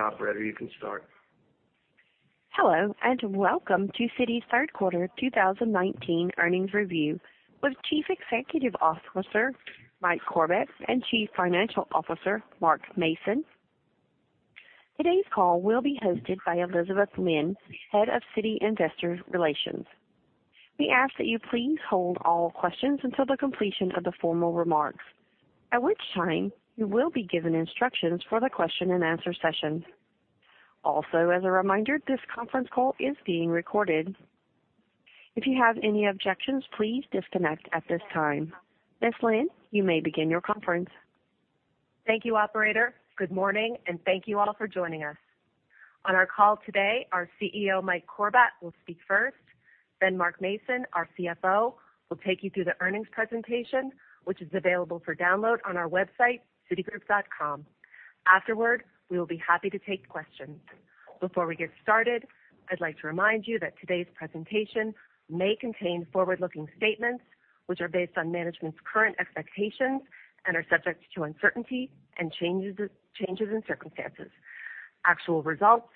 Operator, you can start. Hello, and welcome to Citi's third quarter 2019 earnings review with Chief Executive Officer, Mike Corbat, and Chief Financial Officer, Mark Mason. Today's call will be hosted by Elizabeth Lynn, Head of Citi Investor Relations. We ask that you please hold all questions until the completion of the formal remarks, at which time you will be given instructions for the question and answer session. Also, as a reminder, this conference call is being recorded. If you have any objections, please disconnect at this time. Ms. Lynn, you may begin your conference. Thank you, operator. Good morning, and thank you all for joining us. On our call today, our CEO, Mike Corbat, will speak first, then Mark Mason, our CFO, will take you through the earnings presentation, which is available for download on our website, citigroup.com. Afterward, we will be happy to take questions. Before we get started, I'd like to remind you that today's presentation may contain forward-looking statements, which are based on management's current expectations and are subject to uncertainty and changes in circumstances. Actual results,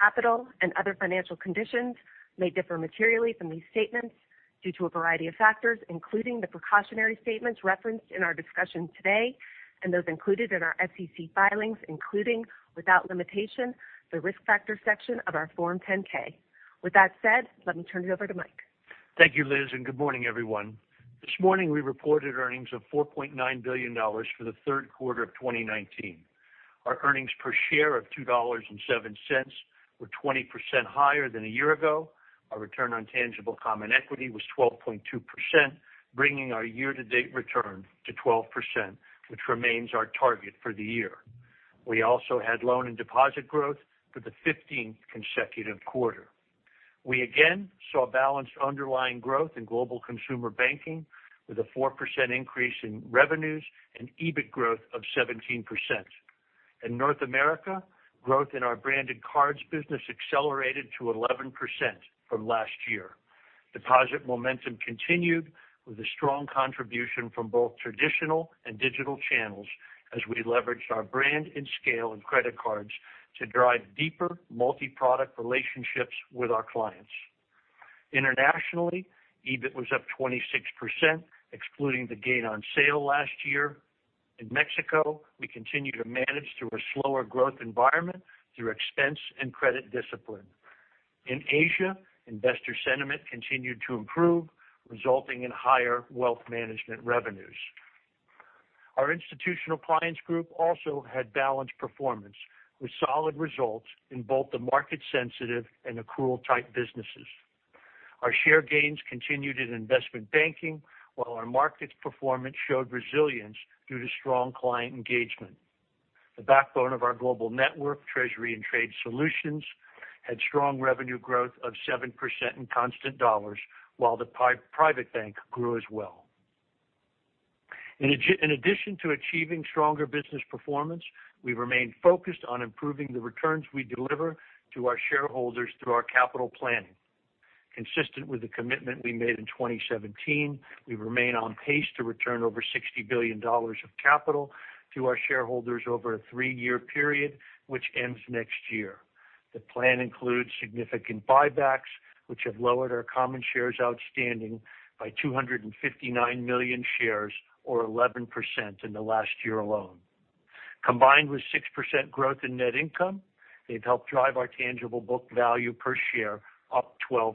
capital, and other financial conditions may differ materially from these statements due to a variety of factors, including the precautionary statements referenced in our discussion today and those included in our SEC filings, including, without limitation, the risk factor section of our Form 10-K. With that said, let me turn it over to Mike. Thank you, Liz. Good morning, everyone. This morning, we reported earnings of $4.9 billion for the third quarter of 2019. Our earnings per share of $2.07 were 20% higher than a year ago. Our return on tangible common equity was 12.2%, bringing our year-to-date return to 12%, which remains our target for the year. We also had loan and deposit growth for the 15th consecutive quarter. We again saw balanced underlying growth in Global Consumer Banking, with a 4% increase in revenues and EBIT growth of 17%. In North America, growth in our Branded Cards business accelerated to 11% from last year. Deposit momentum continued with a strong contribution from both traditional and digital channels as we leveraged our brand and scale in credit cards to drive deeper multi-product relationships with our clients. Internationally, EBIT was up 26%, excluding the gain on sale last year. In Mexico, we continue to manage through a slower growth environment through expense and credit discipline. In Asia, investor sentiment continued to improve, resulting in higher wealth management revenues. Our Institutional Clients Group also had balanced performance, with solid results in both the market sensitive and accrual type businesses. Our share gains continued in investment banking, while our markets performance showed resilience due to strong client engagement. The backbone of our global network, Treasury and Trade Solutions, had strong revenue growth of 7% in constant dollars, while the Private Bank grew as well. In addition to achieving stronger business performance, we remained focused on improving the returns we deliver to our shareholders through our capital planning. Consistent with the commitment we made in 2017, we remain on pace to return over $60 billion of capital to our shareholders over a three-year period, which ends next year. The plan includes significant buybacks, which have lowered our common shares outstanding by 259 million shares or 11% in the last year alone. Combined with 6% growth in net income, they've helped drive our tangible book value per share up 12%.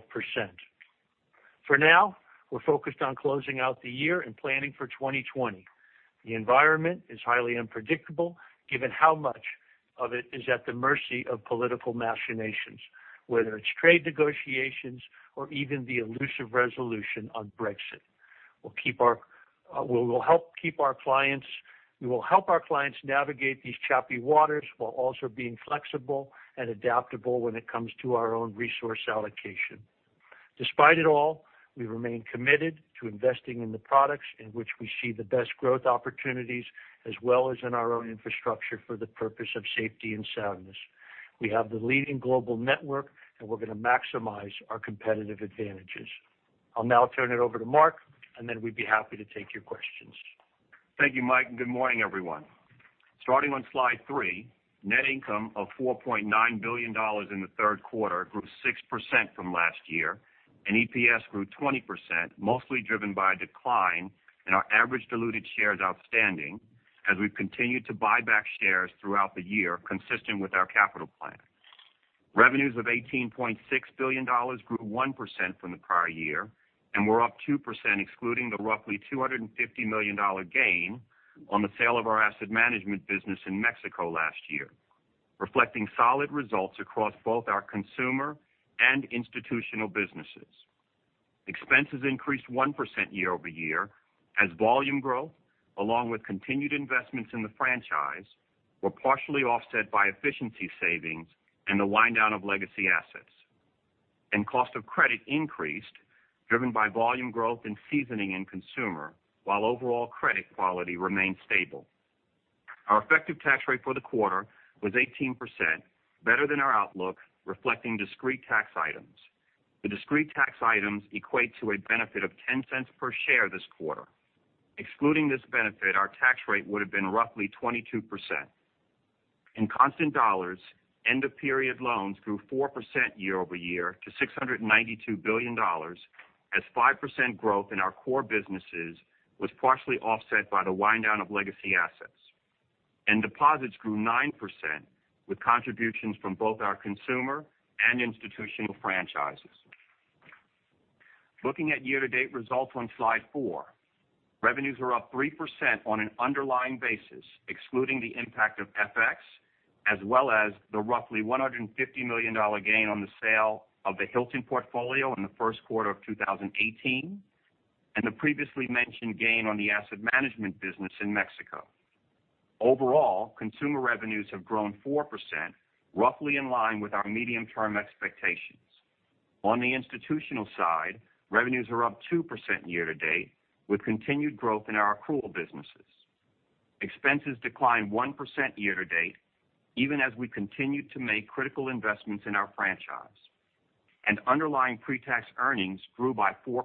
For now, we're focused on closing out the year and planning for 2020. The environment is highly unpredictable given how much of it is at the mercy of political machinations, whether it's trade negotiations or even the elusive resolution on Brexit. We will help our clients navigate these choppy waters while also being flexible and adaptable when it comes to our own resource allocation. Despite it all, we remain committed to investing in the products in which we see the best growth opportunities, as well as in our own infrastructure for the purpose of safety and soundness. We have the leading global network, and we're going to maximize our competitive advantages. I'll now turn it over to Mark, and then we'd be happy to take your questions. Thank you, Mike, and good morning, everyone. Starting on slide three, net income of $4.9 billion in the third quarter grew 6% from last year, and EPS grew 20%, mostly driven by a decline in our average diluted shares outstanding as we've continued to buy back shares throughout the year, consistent with our capital plan. Revenues of $18.6 billion grew 1% from the prior year, and were up 2% excluding the roughly $250 million gain on the sale of our asset management business in Mexico last year, reflecting solid results across both our consumer and institutional businesses. Expenses increased 1% year-over-year, as volume growth, along with continued investments in the franchise, were partially offset by efficiency savings and the wind-down of legacy assets, and cost of credit increased, driven by volume growth and seasoning in consumer, while overall credit quality remained stable. Our effective tax rate for the quarter was 18%, better than our outlook, reflecting discrete tax items. The discrete tax items equate to a benefit of $0.10 per share this quarter. Excluding this benefit, our tax rate would've been roughly 22%. In constant dollars, end-of-period loans grew 4% year-over-year to $692 billion, as 5% growth in our core businesses was partially offset by the wind-down of legacy assets. Deposits grew 9%, with contributions from both our consumer and institutional franchises. Looking at year-to-date results on Slide 4. Revenues are up 3% on an underlying basis, excluding the impact of FX, as well as the roughly $150 million gain on the sale of the Hilton portfolio in the first quarter of 2018, and the previously mentioned gain on the asset management business in Mexico. Overall, consumer revenues have grown 4%, roughly in line with our medium-term expectations. On the institutional side, revenues are up 2% year-to-date, with continued growth in our accrual businesses. Expenses declined 1% year-to-date, even as we continued to make critical investments in our franchise. Underlying pre-tax earnings grew by 4%.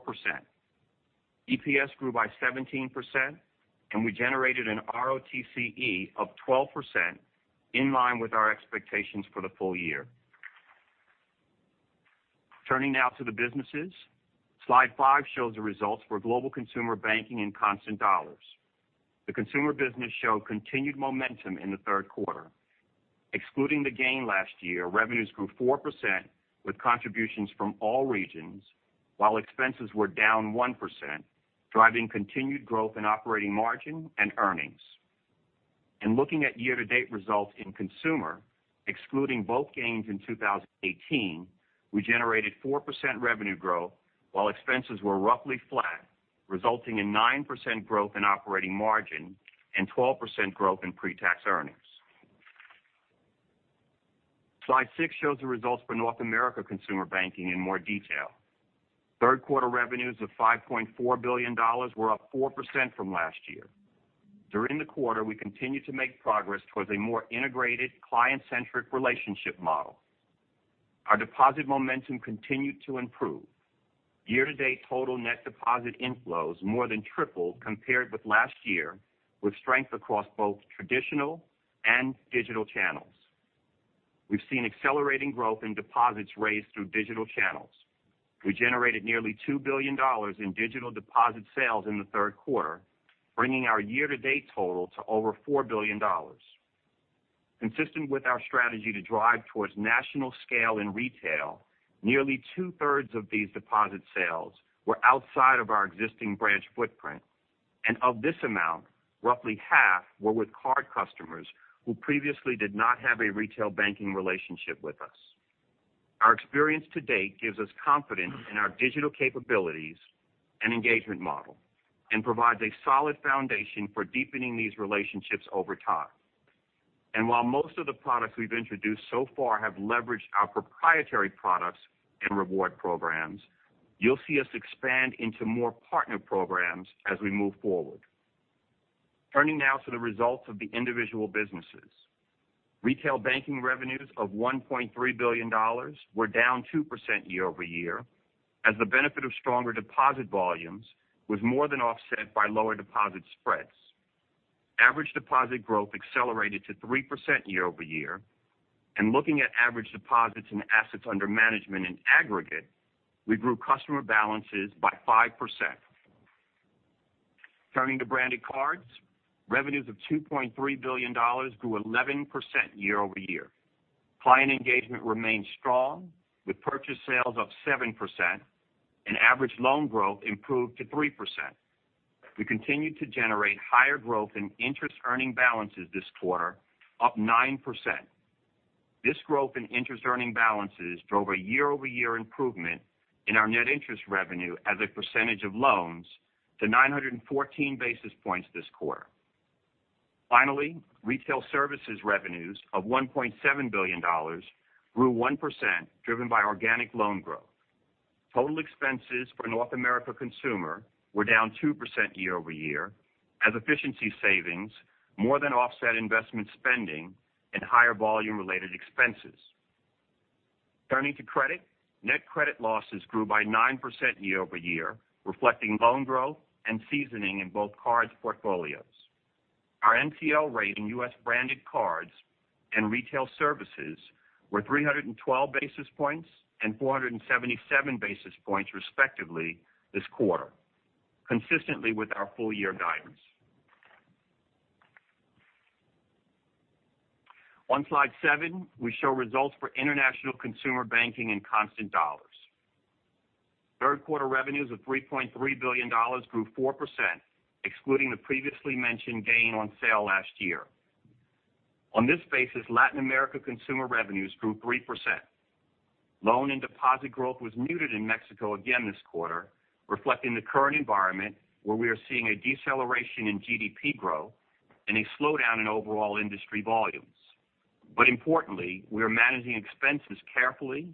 EPS grew by 17%, and we generated an ROTCE of 12%, in line with our expectations for the full year. Turning now to the businesses. Slide five shows the results for Global Consumer Banking in constant dollars. The consumer business showed continued momentum in the third quarter. Excluding the gain last year, revenues grew 4%, with contributions from all regions, while expenses were down 1%, driving continued growth in operating margin and earnings. In looking at year-to-date results in consumer, excluding both gains in 2018, we generated 4% revenue growth while expenses were roughly flat, resulting in 9% growth in operating margin and 12% growth in pre-tax earnings. Slide six shows the results for North America Consumer Banking in more detail. Third quarter revenues of $5.4 billion were up 4% from last year. During the quarter, we continued to make progress towards a more integrated client-centric relationship model. Our deposit momentum continued to improve. Year-to-date total net deposit inflows more than tripled compared with last year, with strength across both traditional and digital channels. We've seen accelerating growth in deposits raised through digital channels. We generated nearly $2 billion in digital deposit sales in the third quarter, bringing our year-to-date total to over $4 billion. Consistent with our strategy to drive towards national scale in retail, nearly two-thirds of these deposit sales were outside of our existing branch footprint. Of this amount, roughly half were with card customers who previously did not have a retail banking relationship with us. Our experience to date gives us confidence in our digital capabilities and engagement model and provides a solid foundation for deepening these relationships over time. While most of the products we've introduced so far have leveraged our proprietary products and reward programs, you'll see us expand into more partner programs as we move forward. Turning now to the results of the individual businesses. Retail banking revenues of $1.3 billion were down 2% year-over-year as the benefit of stronger deposit volumes was more than offset by lower deposit spreads. Average deposit growth accelerated to 3% year-over-year. Looking at average deposits and assets under management in aggregate, we grew customer balances by 5%. Turning to Branded Cards. Revenues of $2.3 billion grew 11% year-over-year. Client engagement remained strong with purchase sales up 7%, and average loan growth improved to 3%. We continued to generate higher growth in interest-earning balances this quarter, up 9%. This growth in interest-earning balances drove a year-over-year improvement in our net interest revenue as a percentage of loans to 914 basis points this quarter. Finally, Retail Services revenues of $1.7 billion grew 1%, driven by organic loan growth. Total expenses for North America Consumer were down 2% year-over-year as efficiency savings more than offset investment spending and higher volume-related expenses. Turning to credit. Net credit losses grew by 9% year-over-year, reflecting loan growth and seasoning in both cards portfolios. Our NPL rate in U.S. Branded Cards and Retail Services were 312 basis points and 477 basis points respectively this quarter, consistently with our full-year guidance. On slide seven, we show results for International Consumer Banking in constant dollars. Third quarter revenues of $3.3 billion grew 4%, excluding the previously mentioned gain on sale last year. On this basis, Latin America consumer revenues grew 3%. Loan and deposit growth was muted in Mexico again this quarter, reflecting the current environment where we are seeing a deceleration in GDP growth and a slowdown in overall industry volumes. Importantly, we are managing expenses carefully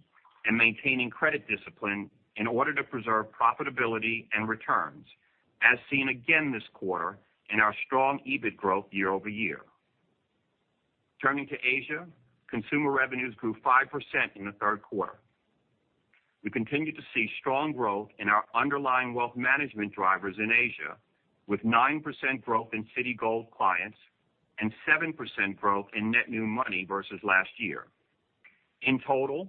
and maintaining credit discipline in order to preserve profitability and returns, as seen again this quarter in our strong EBIT growth year-over-year. Turning to Asia, consumer revenues grew 5% in the third quarter. We continue to see strong growth in our underlying wealth management drivers in Asia, with 9% growth in Citigold clients and 7% growth in net new money versus last year. In total,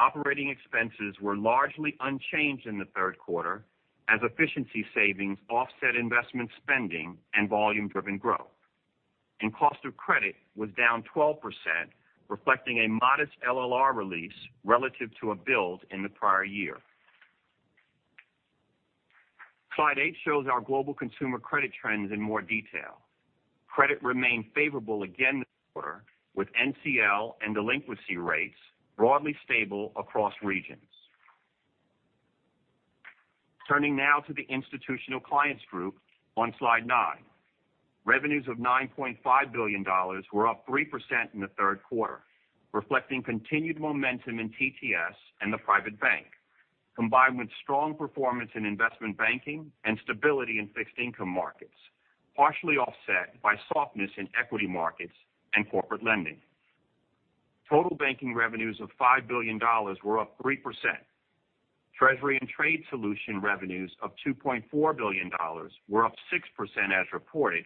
operating expenses were largely unchanged in the third quarter as efficiency savings offset investment spending and volume-driven growth. Cost of credit was down 12%, reflecting a modest LLR release relative to a build in the prior year. Slide eight shows our global consumer credit trends in more detail. Credit remained favorable again this quarter, with NCL and delinquency rates broadly stable across regions. Turning now to the Institutional Clients Group on Slide nine. Revenues of $9.5 billion were up 3% in the third quarter, reflecting continued momentum in TTS and Citi Private Bank, combined with strong performance in investment banking and stability in fixed income markets, partially offset by softness in equity markets and corporate lending. Total banking revenues of $5 billion were up 3%. Treasury and Trade Solutions revenues of $2.4 billion were up 6% as reported,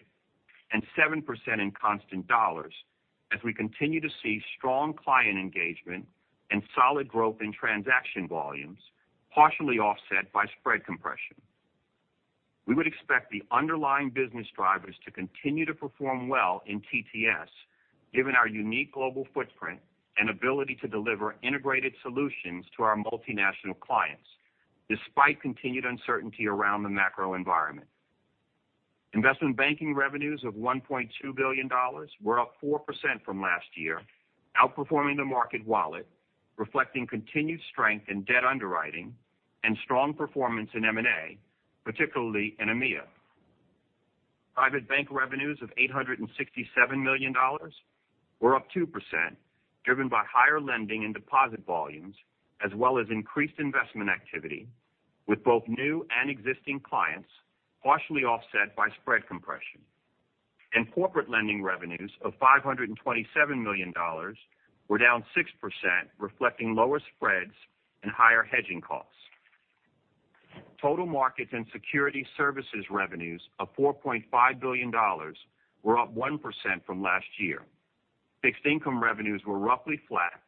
and 7% in constant dollars as we continue to see strong client engagement and solid growth in transaction volumes, partially offset by spread compression. We would expect the underlying business drivers to continue to perform well in TTS, given our unique global footprint and ability to deliver integrated solutions to our multinational clients, despite continued uncertainty around the macro environment. Investment banking revenues of $1.2 billion were up 4% from last year, outperforming the market wallet, reflecting continued strength in debt underwriting and strong performance in M&A, particularly in EMEA. Private Bank revenues of $867 million were up 2%, driven by higher lending and deposit volumes, as well as increased investment activity, with both new and existing clients, partially offset by spread compression. Corporate lending revenues of $527 million were down 6%, reflecting lower spreads and higher hedging costs. Total markets and securities services revenues of $4.5 billion were up 1% from last year. Fixed income revenues were roughly flat,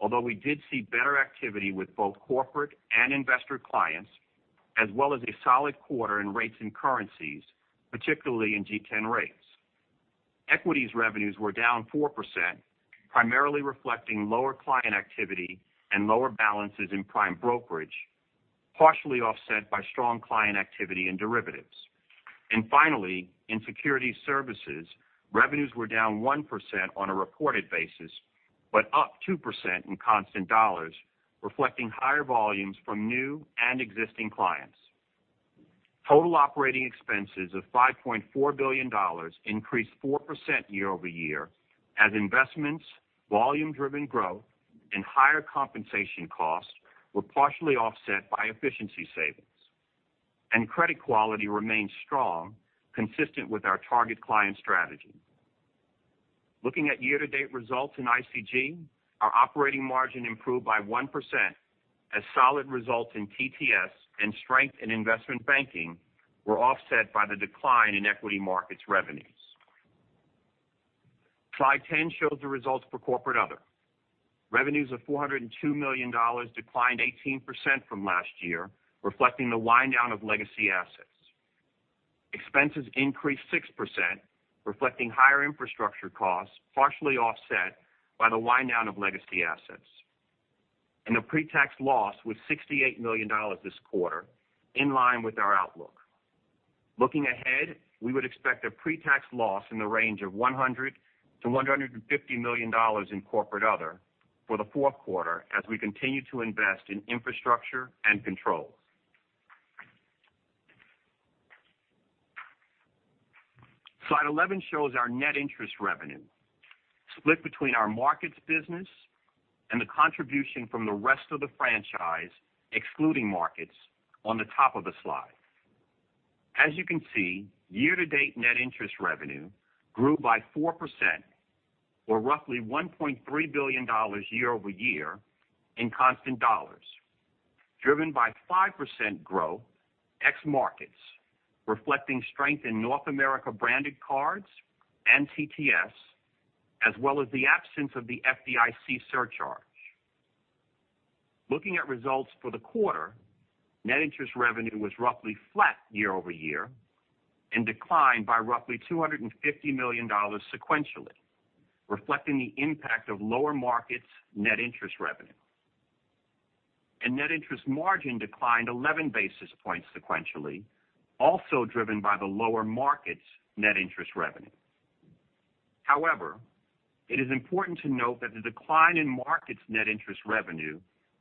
although we did see better activity with both corporate and investor clients, as well as a solid quarter in rates and currencies, particularly in G10 rates. Equities revenues were down 4%, primarily reflecting lower client activity and lower balances in prime brokerage, partially offset by strong client activity in derivatives. Finally, in securities services, revenues were down 1% on a reported basis, but up 2% in constant dollars, reflecting higher volumes from new and existing clients. Total operating expenses of $5.4 billion increased 4% year-over-year as investments, volume-driven growth, and higher compensation costs were partially offset by efficiency savings. Credit quality remains strong, consistent with our target client strategy. Looking at year-to-date results in ICG, our operating margin improved by 1% as solid results in TTS and strength in investment banking were offset by the decline in equity markets revenues. Slide 10 shows the results for Corporate/Other. Revenues of $402 million declined 18% from last year, reflecting the wind down of legacy assets. Expenses increased 6%, reflecting higher infrastructure costs, partially offset by the wind down of legacy assets. The pre-tax loss was $68 million this quarter, in line with our outlook. Looking ahead, we would expect a pre-tax loss in the range of $100 million-$150 million in Corporate/Other for the fourth quarter as we continue to invest in infrastructure and controls. Slide 11 shows our net interest revenue, split between our markets business and the contribution from the rest of the franchise, excluding markets, on the top of the slide. As you can see, year-to-date net interest revenue grew by 4%, or roughly $1.3 billion year-over-year in constant dollars, driven by 5% growth ex markets, reflecting strength in North America Branded Cards and TTS, as well as the absence of the FDIC surcharge. Net interest revenue was roughly flat year-over-year and declined by roughly $250 million sequentially, reflecting the impact of lower markets net interest revenue. Net interest margin declined 11 basis points sequentially, also driven by the lower markets net interest revenue. However, it is important to note that the decline in markets net interest revenue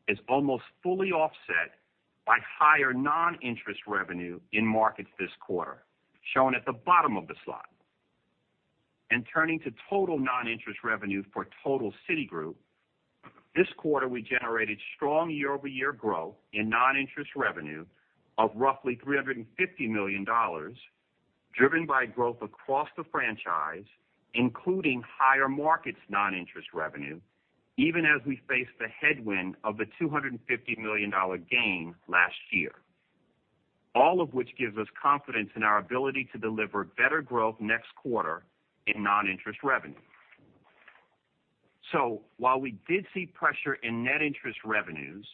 is almost fully offset by higher non-interest revenue in markets this quarter, shown at the bottom of the slide. Turning to total non-interest revenue for total Citigroup. This quarter, we generated strong year-over-year growth in non-interest revenue of roughly $350 million, driven by growth across the franchise, including higher markets non-interest revenue, even as we face the headwind of the $250 million gain last year. All of which gives us confidence in our ability to deliver better growth next quarter in non-interest revenue. While we did see pressure in net interest revenues,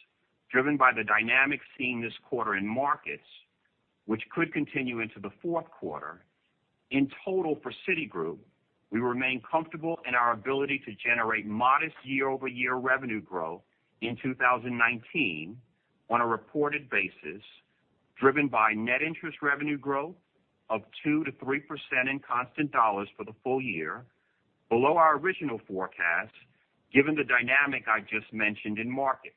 driven by the dynamics seen this quarter in markets, which could continue into the fourth quarter, in total for Citigroup, we remain comfortable in our ability to generate modest year-over-year revenue growth in 2019 on a reported basis, driven by net interest revenue growth of 2%-3% in constant dollars for the full year, below our original forecast, given the dynamic I just mentioned in markets.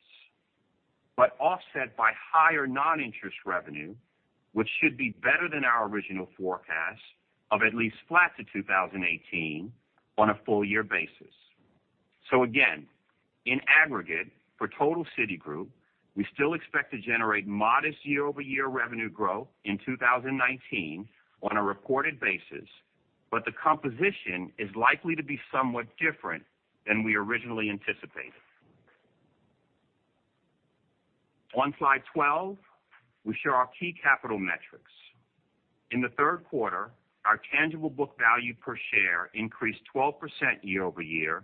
Offset by higher non-interest revenue, which should be better than our original forecast of at least flat to 2018 on a full-year basis. Again, in aggregate, for total Citigroup, we still expect to generate modest year-over-year revenue growth in 2019 on a reported basis, but the composition is likely to be somewhat different than we originally anticipated. On slide 12, we show our key capital metrics. In the third quarter, our tangible book value per share increased 12% year-over-year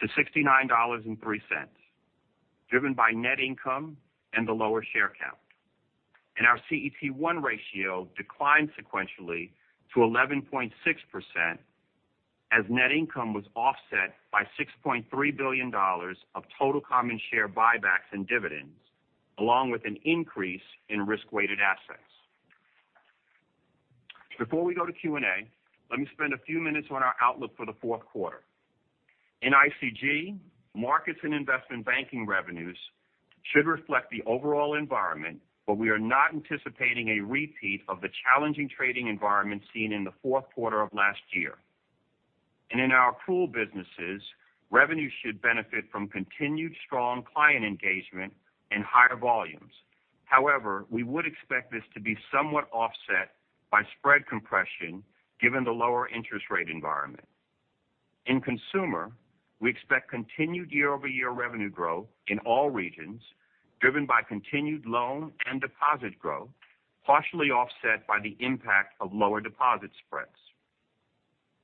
to $69.03, driven by net income and the lower share count. Our CET1 ratio declined sequentially to 11.6% as net income was offset by $6.3 billion of total common share buybacks and dividends, along with an increase in risk-weighted assets. Before we go to Q&A, let me spend a few minutes on our outlook for the fourth quarter. In ICG, markets and investment banking revenues should reflect the overall environment, but we are not anticipating a repeat of the challenging trading environment seen in the fourth quarter of last year. In our pool businesses, revenues should benefit from continued strong client engagement and higher volumes. However, we would expect this to be somewhat offset by spread compression, given the lower interest rate environment. In consumer, we expect continued year-over-year revenue growth in all regions, driven by continued loan and deposit growth, partially offset by the impact of lower deposit spreads.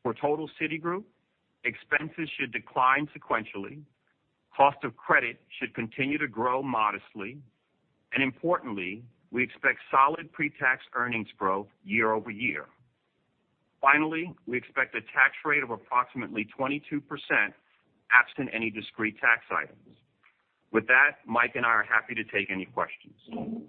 For total Citigroup, expenses should decline sequentially, cost of credit should continue to grow modestly, importantly, we expect solid pre-tax earnings growth year-over-year. Finally, we expect a tax rate of approximately 22% absent any discrete tax items. With that, Mike and I are happy to take any questions.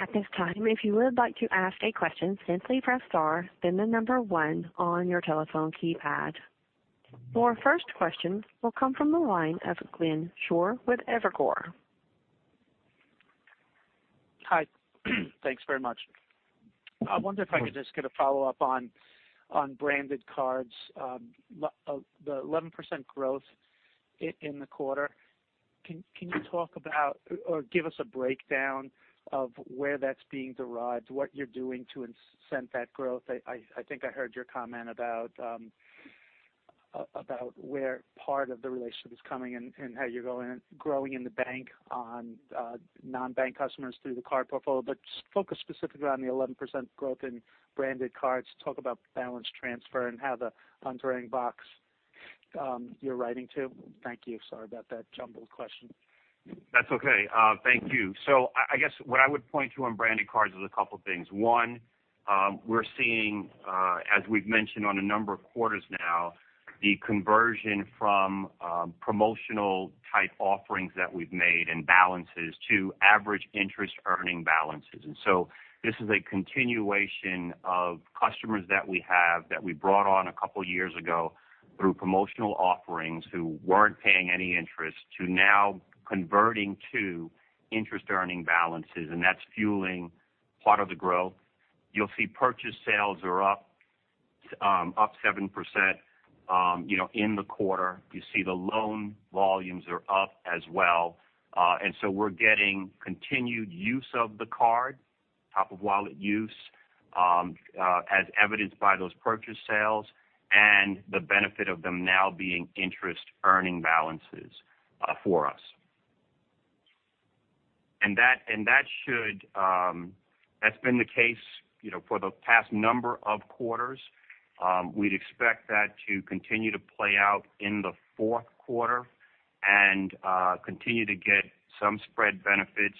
At this time, if you would like to ask a question, simply press star, then the number 1 on your telephone keypad. Our first question will come from the line of Glenn Schorr with Evercore. Hi. Thanks very much. I wonder if I could just get a follow-up on Branded Cards, the 11% growth in the quarter. Can you talk about or give us a breakdown of where that's being derived, what you're doing to incent that growth? I think I heard your comment about where part of the relationship is coming and how you're growing in the bank on non-bank customers through the card portfolio. Just focus specifically on the 11% growth in Branded Cards. Talk about balance transfer and how the ongoing books you're writing to. Thank you. Sorry about that jumbled question. That's okay. Thank you. I guess what I would point to on Branded Cards is a couple things. One, we're seeing, as we've mentioned on a number of quarters now, the conversion from promotional type offerings that we've made and balances to average interest-earning balances. This is a continuation of customers that we have, that we brought on a couple years ago through promotional offerings who weren't paying any interest, to now converting to interest-earning balances, and that's fueling part of the growth. You'll see purchase sales are up 7% in the quarter. You see the loan volumes are up as well. We're getting continued use of the card, top-of-wallet use, as evidenced by those purchase sales and the benefit of them now being interest-earning balances for us. That's been the case for the past number of quarters. We'd expect that to continue to play out in the fourth quarter and continue to get some spread benefits,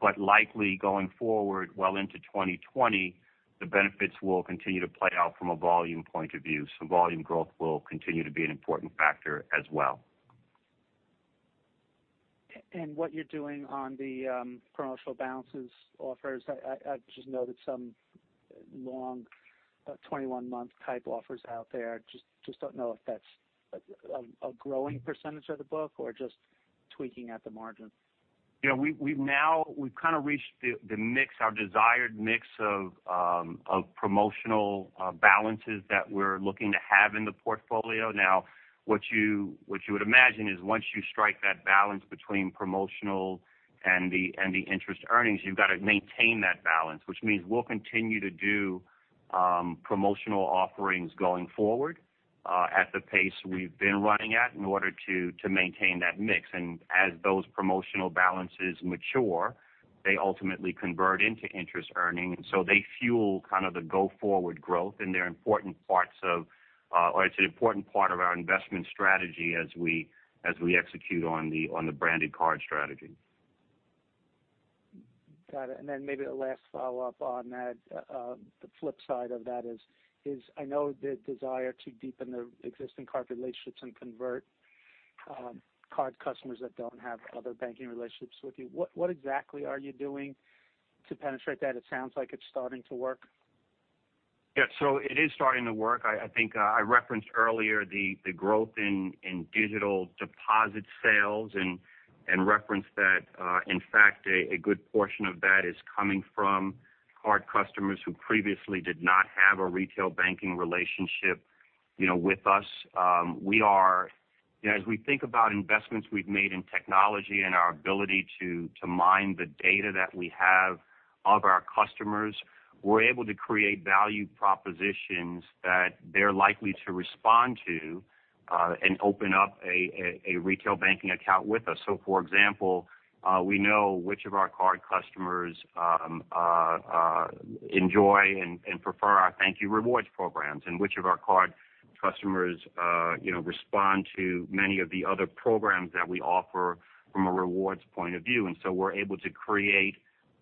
but likely going forward well into 2020, the benefits will continue to play out from a volume point of view. Volume growth will continue to be an important factor as well. What you're doing on the promotional balances offers, I just know that some long 21-month type offers out there. Just don't know if that's a growing percentage of the book or just tweaking at the margin. We've kind of reached our desired mix of promotional balances that we're looking to have in the portfolio. What you would imagine is once you strike that balance between promotional and the interest earnings, you've got to maintain that balance, which means we'll continue to do promotional offerings going forward at the pace we've been running at in order to maintain that mix. As those promotional balances mature, they ultimately convert into interest earning. They fuel kind of the go-forward growth, and it's an important part of our investment strategy as we execute on the Branded Cards strategy. Got it. Then maybe the last follow-up on that. The flip side of that is I know the desire to deepen the existing card relationships and convert card customers that don't have other banking relationships with you. What exactly are you doing to penetrate that? It sounds like it's starting to work. Yeah. It is starting to work. I think I referenced earlier the growth in digital deposit sales and referenced that, in fact, a good portion of that is coming from card customers who previously did not have a retail banking relationship with us. As we think about investments we've made in technology and our ability to mine the data that we have of our customers, we're able to create value propositions that they're likely to respond to and open up a retail banking account with us. For example, we know which of our card customers enjoy and prefer our thank you rewards programs, and which of our card customers respond to many of the other programs that we offer from a rewards point of view. We're able to create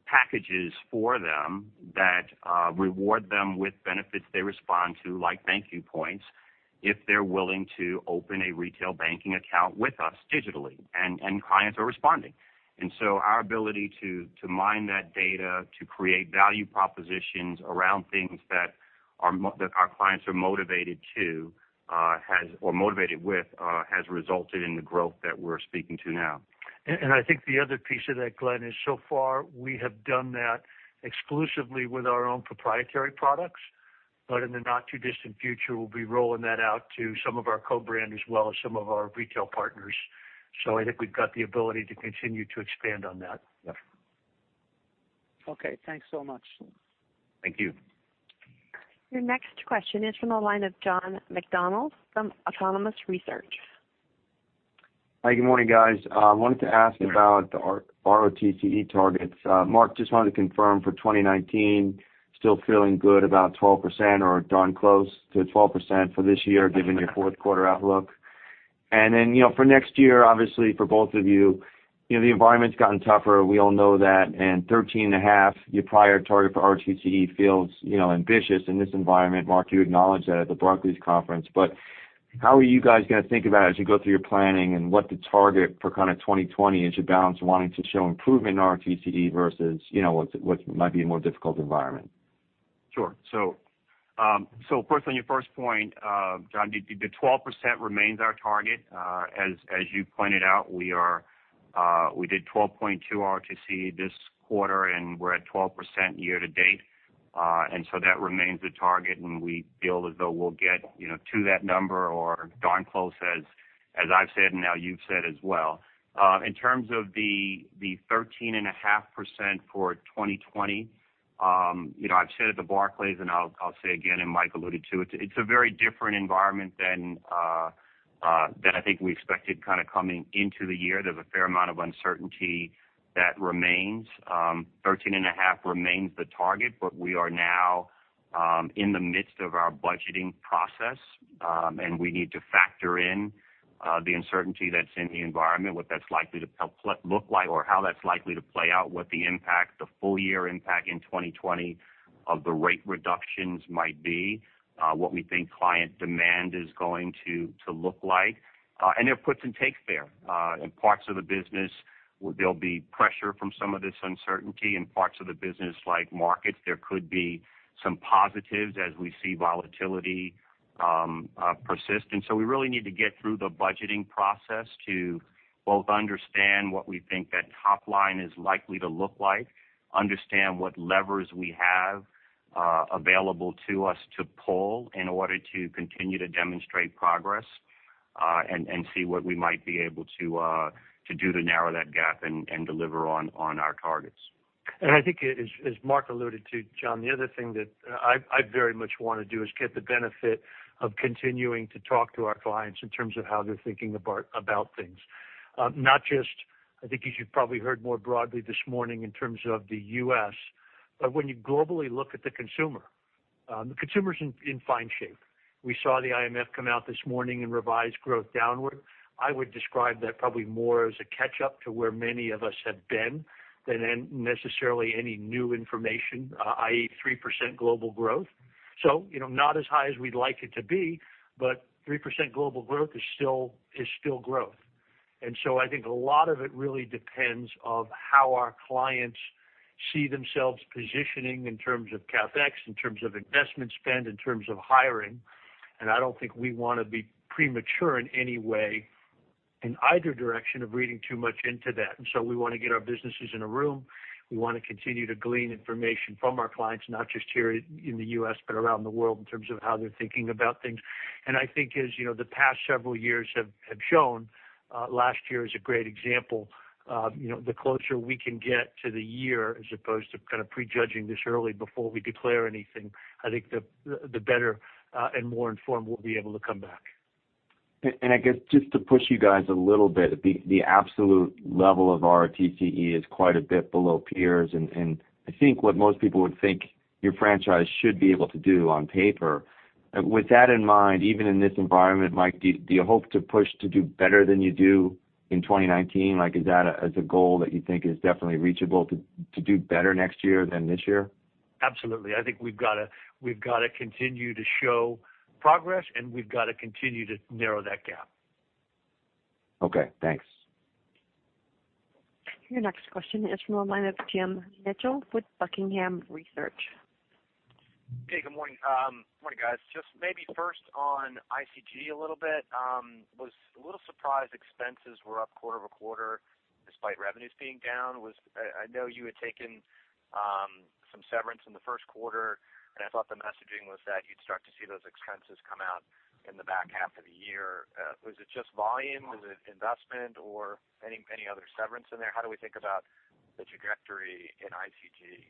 packages for them that reward them with benefits they respond to, like ThankYou Points, if they're willing to open a retail banking account with us digitally. Clients are responding. Our ability to mine that data, to create value propositions around things that our clients are motivated to or motivated with has resulted in the growth that we're speaking to now. I think the other piece of that, Glenn, is so far we have done that exclusively with our own proprietary products. In the not-too-distant future, we'll be rolling that out to some of our co-brand as well as some of our retail partners. I think we've got the ability to continue to expand on that. Yeah. Okay. Thanks so much. Thank you. Your next question is from the line of John McDonald from Autonomous Research. Hi, good morning, guys. I wanted to ask about ROTCE targets. Mark, just wanted to confirm for 2019, still feeling good about 12% or darn close to 12% for this year, given your fourth quarter outlook. Then for next year, obviously, for both of you, the environment's gotten tougher, we all know that, and 13.5%, your prior target for ROTCE feels ambitious in this environment. Mark, you acknowledged that at the Barclays conference. How are you guys going to think about as you go through your planning and what the target for kind of 2020 as you balance wanting to show improvement in ROTCE versus what might be a more difficult environment? Sure. First, on your first point John, the 12% remains our target. As you pointed out, we did 12.2 ROTCE this quarter, and we're at 12% year to date. That remains the target, and we feel as though we'll get to that number or darn close as I've said and now you've said as well. In terms of the 13.5% for 2020, I've said at the Barclays and I'll say again, and Mike alluded to it's a very different environment than I think we expected kind of coming into the year. There's a fair amount of uncertainty that remains. 13.5 remains the target, but we are now in the midst of our budgeting process, and we need to factor in the uncertainty that's in the environment, what that's likely to look like or how that's likely to play out, what the full-year impact in 2020 of the rate reductions might be, what we think client demand is going to look like. There are puts and takes there. In parts of the business, there'll be pressure from some of this uncertainty. In parts of the business like markets, there could be some positives as we see volatility persist. We really need to get through the budgeting process to both understand what we think that top line is likely to look like, understand what levers we have available to us to pull in order to continue to demonstrate progress, and see what we might be able to do to narrow that gap and deliver on our targets. I think as Mark alluded to, John, the other thing that I very much want to do is get the benefit of continuing to talk to our clients in terms of how they're thinking about things. Not just, I think as you probably heard more broadly this morning in terms of the U.S., but when you globally look at the consumer. The consumer's in fine shape. We saw the IMF come out this morning and revise growth downward. I would describe that probably more as a catch-up to where many of us have been than necessarily any new information, i.e., 3% global growth. Not as high as we'd like it to be, but 3% global growth is still growth. I think a lot of it really depends on how our clients see themselves positioning in terms of CapEx, in terms of investment spend, in terms of hiring. I don't think we want to be premature in any way, in either direction, of reading too much into that. We want to get our businesses in a room. We want to continue to glean information from our clients, not just here in the U.S., but around the world in terms of how they're thinking about things. I think as the past several years have shown, last year is a great example. The closer we can get to the year as opposed to pre-judging this early before we declare anything, I think the better and more informed we'll be able to come back. I guess just to push you guys a little bit, the absolute level of our TCE is quite a bit below peers, and I think what most people would think your franchise should be able to do on paper. With that in mind, even in this environment, Mike, do you hope to push to do better than you do in 2019? Is that a goal that you think is definitely reachable to do better next year than this year? Absolutely. I think we've got to continue to show progress, and we've got to continue to narrow that gap. Okay, thanks. Your next question is from the line of Jim Mitchell with Buckingham Research. Hey, good morning. Morning, guys. Just maybe first on ICG a little bit. Was a little surprised expenses were up quarter-over-quarter despite revenues being down. I know you had taken some severance in the first quarter, and I thought the messaging was that you'd start to see those expenses come out in the back half of the year. Was it just volume? Was it investment or any other severance in there? How do we think about the trajectory in ICG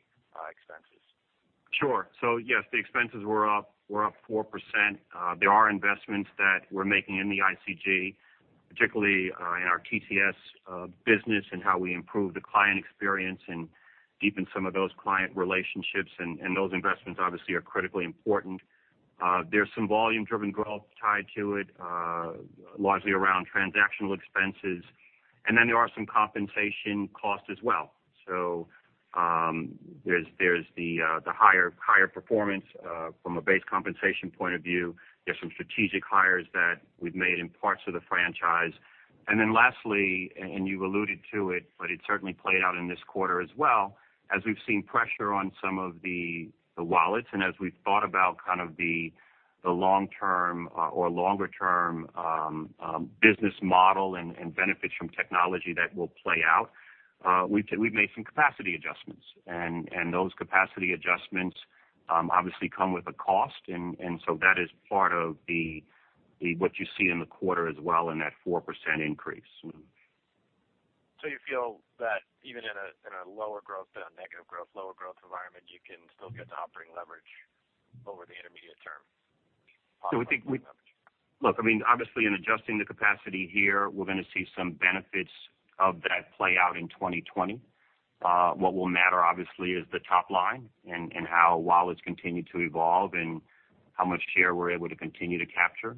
expenses? Sure. Yes, the expenses were up 4%. There are investments that we're making in the ICG, particularly in our TTS business and how we improve the client experience and deepen some of those client relationships. Those investments obviously are critically important. There's some volume-driven growth tied to it, largely around transactional expenses. There are some compensation costs as well. There's the higher performance from a base compensation point of view. There's some strategic hires that we've made in parts of the franchise. Lastly, and you alluded to it, but it certainly played out in this quarter as well, as we've seen pressure on some of the wallets, and as we've thought about kind of the long-term or longer-term business model and benefits from technology that will play out. We've made some capacity adjustments, and those capacity adjustments obviously come with a cost. That is part of what you see in the quarter as well in that 4% increase. You feel that even in a lower growth than negative growth, lower growth environment, you can still get to operating leverage over the intermediate term? Look, I mean, obviously in adjusting the capacity here, we're going to see some benefits of that play out in 2020. What will matter obviously is the top line and how wallets continue to evolve and how much share we're able to continue to capture.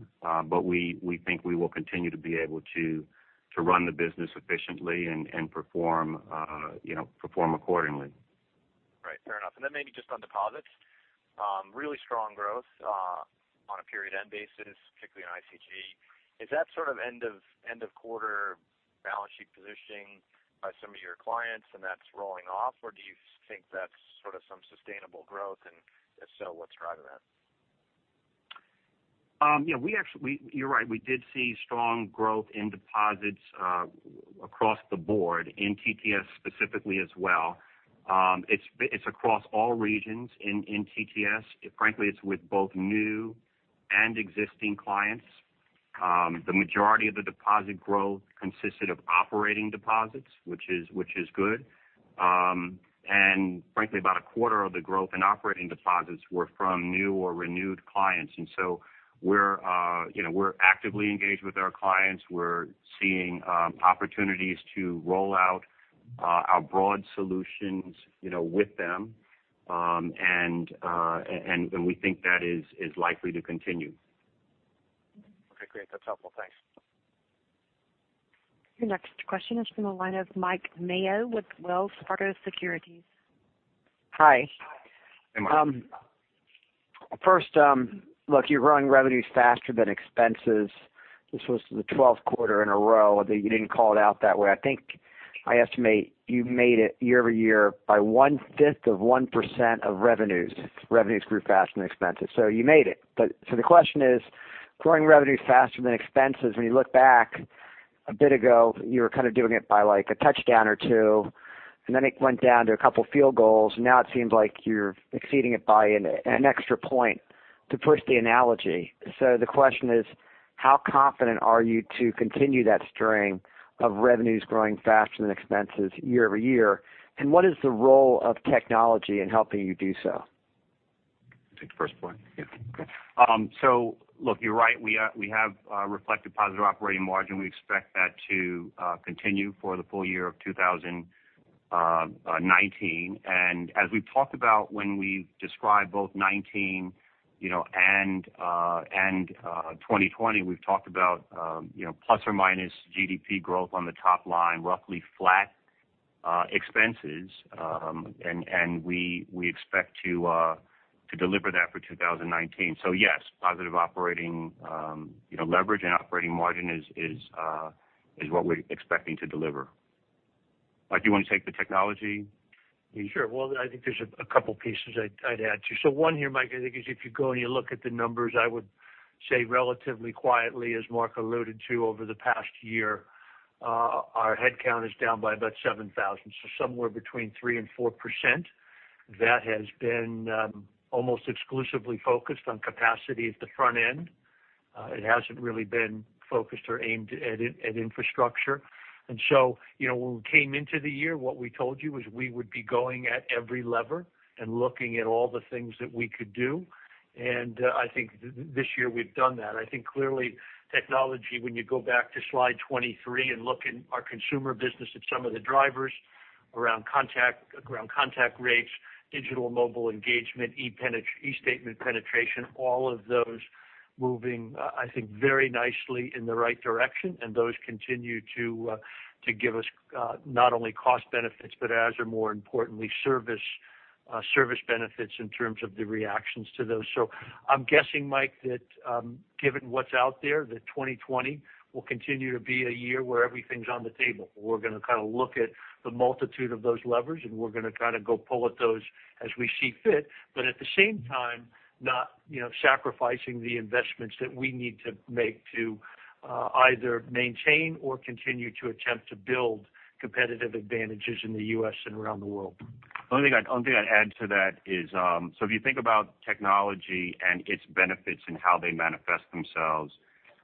We think we will continue to be able to run the business efficiently and perform accordingly. Right. Fair enough. Maybe just on deposits. Really strong growth on a period end basis, particularly on ICG. Is that sort of end of quarter balance sheet positioning by some of your clients and that's rolling off, or do you think that's sort of some sustainable growth, and if so, what's driving that? You're right. We did see strong growth in deposits across the board in TTS specifically as well. It's across all regions in TTS. Frankly, it's with both new and existing clients. The majority of the deposit growth consisted of operating deposits, which is good. Frankly, about a quarter of the growth in operating deposits were from new or renewed clients. We're actively engaged with our clients. We're seeing opportunities to roll out our broad solutions with them. We think that is likely to continue. Okay, great. That's helpful. Thanks. Your next question is from the line of Mike Mayo with Wells Fargo Securities. Hi. Hey, Mike. First, look, you're growing revenues faster than expenses. This was the 12th quarter in a row that you didn't call it out that way. I think I estimate you made it year-over-year by one fifth of 1% of revenues. Revenues grew faster than expenses. You made it. The question is, growing revenues faster than expenses. When you look back a bit ago, you were kind of doing it by like a touchdown or two, and then it went down to a couple field goals. Now it seems like you're exceeding it by an extra point to push the analogy. The question is, how confident are you to continue that string of revenues growing faster than expenses year-over-year? What is the role of technology in helping you do so? Take the first point. Yeah. Okay. Look, you're right. We have reflected positive operating margin. We expect that to continue for the full year of 2019. As we've talked about when we've described both 2019 and 2020, we've talked about ± GDP growth on the top line, roughly flat. expenses, and we expect to deliver that for 2019. Yes, positive operating leverage and operating margin is what we're expecting to deliver. Mike, do you want to take the technology? Sure. Well, I think there's a couple pieces I'd add, too. One here, Mike, I think is if you go and you look at the numbers, I would say relatively quietly, as Mark alluded to, over the past year, our headcount is down by about 7,000. Somewhere between 3% and 4%. That has been almost exclusively focused on capacity at the front end. It hasn't really been focused or aimed at infrastructure. When we came into the year, what we told you was we would be going at every lever and looking at all the things that we could do. I think this year we've done that. I think clearly technology, when you go back to slide 23 and look in our consumer business at some of the drivers around contact rates, digital mobile engagement, e-statement penetration, all of those moving, I think, very nicely in the right direction. Those continue to give us not only cost benefits, but as are more importantly, service benefits in terms of the reactions to those. I'm guessing, Mike, that given what's out there, that 2020 will continue to be a year where everything's on the table. We're going to kind of look at the multitude of those levers, and we're going to kind of go pull at those as we see fit. At the same time, not sacrificing the investments that we need to make to either maintain or continue to attempt to build competitive advantages in the U.S. and around the world. The only thing I'd add to that is if you think about technology and its benefits and how they manifest themselves.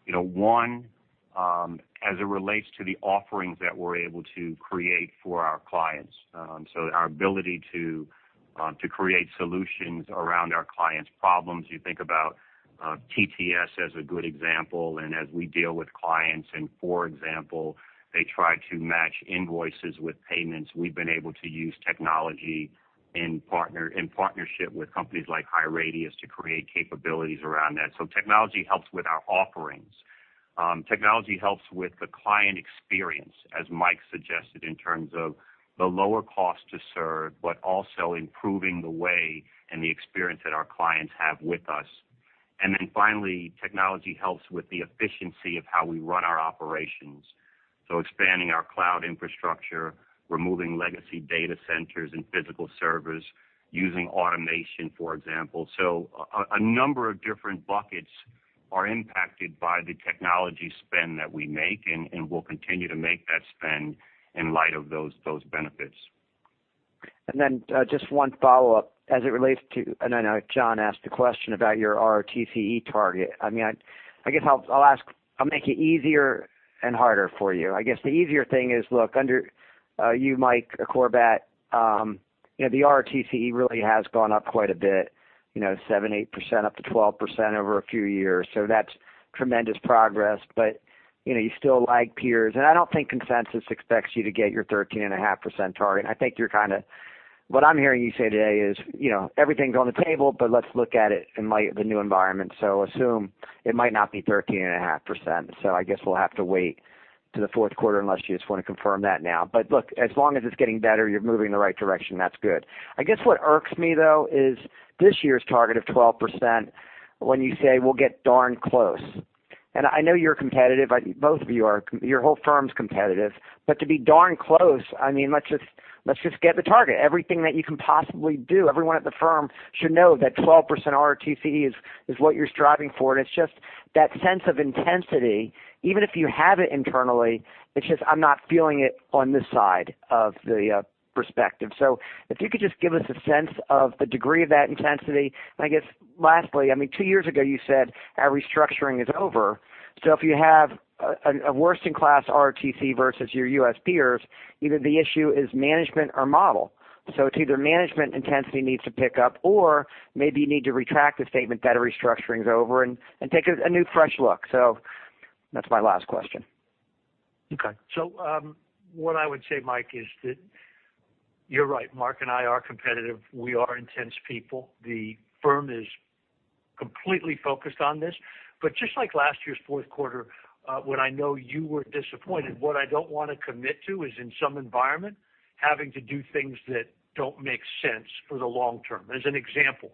One, as it relates to the offerings that we're able to create for our clients. Our ability to create solutions around our clients' problems. You think about TTS as a good example, and as we deal with clients and, for example, they try to match invoices with payments. We've been able to use technology in partnership with companies like HighRadius to create capabilities around that. Technology helps with our offerings. Technology helps with the client experience, as Mike suggested, in terms of the lower cost to serve, but also improving the way and the experience that our clients have with us. Finally, technology helps with the efficiency of how we run our operations. Expanding our cloud infrastructure, removing legacy data centers and physical servers, using automation, for example. A number of different buckets are impacted by the technology spend that we make, and we'll continue to make that spend in light of those benefits. Just one follow-up as it relates to, and I know John asked a question about your ROTCE target. I guess I'll make it easier and harder for you. I guess the easier thing is, look, under you, Mike, or Corbat, the ROTCE really has gone up quite a bit. 7%, 8%, up to 12% over a few years. That's tremendous progress. You still lag peers. I don't think consensus expects you to get your 13.5% target. I think what I'm hearing you say today is everything's on the table, but let's look at it in light of the new environment. Assume it might not be 13.5%. I guess we'll have to wait till the fourth quarter unless you just want to confirm that now. Look, as long as it's getting better, you're moving in the right direction. That's good. I guess what irks me, though, is this year's target of 12% when you say, "We'll get darn close." I know you're competitive. Both of you are. Your whole firm's competitive. To be darn close, let's just get the target. Everything that you can possibly do, everyone at the firm should know that 12% ROTCE is what you're striving for. It's just that sense of intensity, even if you have it internally, it's just I'm not feeling it on this side of the perspective. If you could just give us a sense of the degree of that intensity. I guess lastly, two years ago you said our restructuring is over. If you have a worst-in-class ROTCE versus your U.S. peers, either the issue is management or model. It's either management intensity needs to pick up, or maybe you need to retract the statement that a restructuring's over and take a new, fresh look. That's my last question. What I would say, Mike, is that you're right. Mark and I are competitive. We are intense people. The firm is completely focused on this. Just like last year's fourth quarter when I know you were disappointed, what I don't want to commit to is in some environment having to do things that don't make sense for the long term. As an example,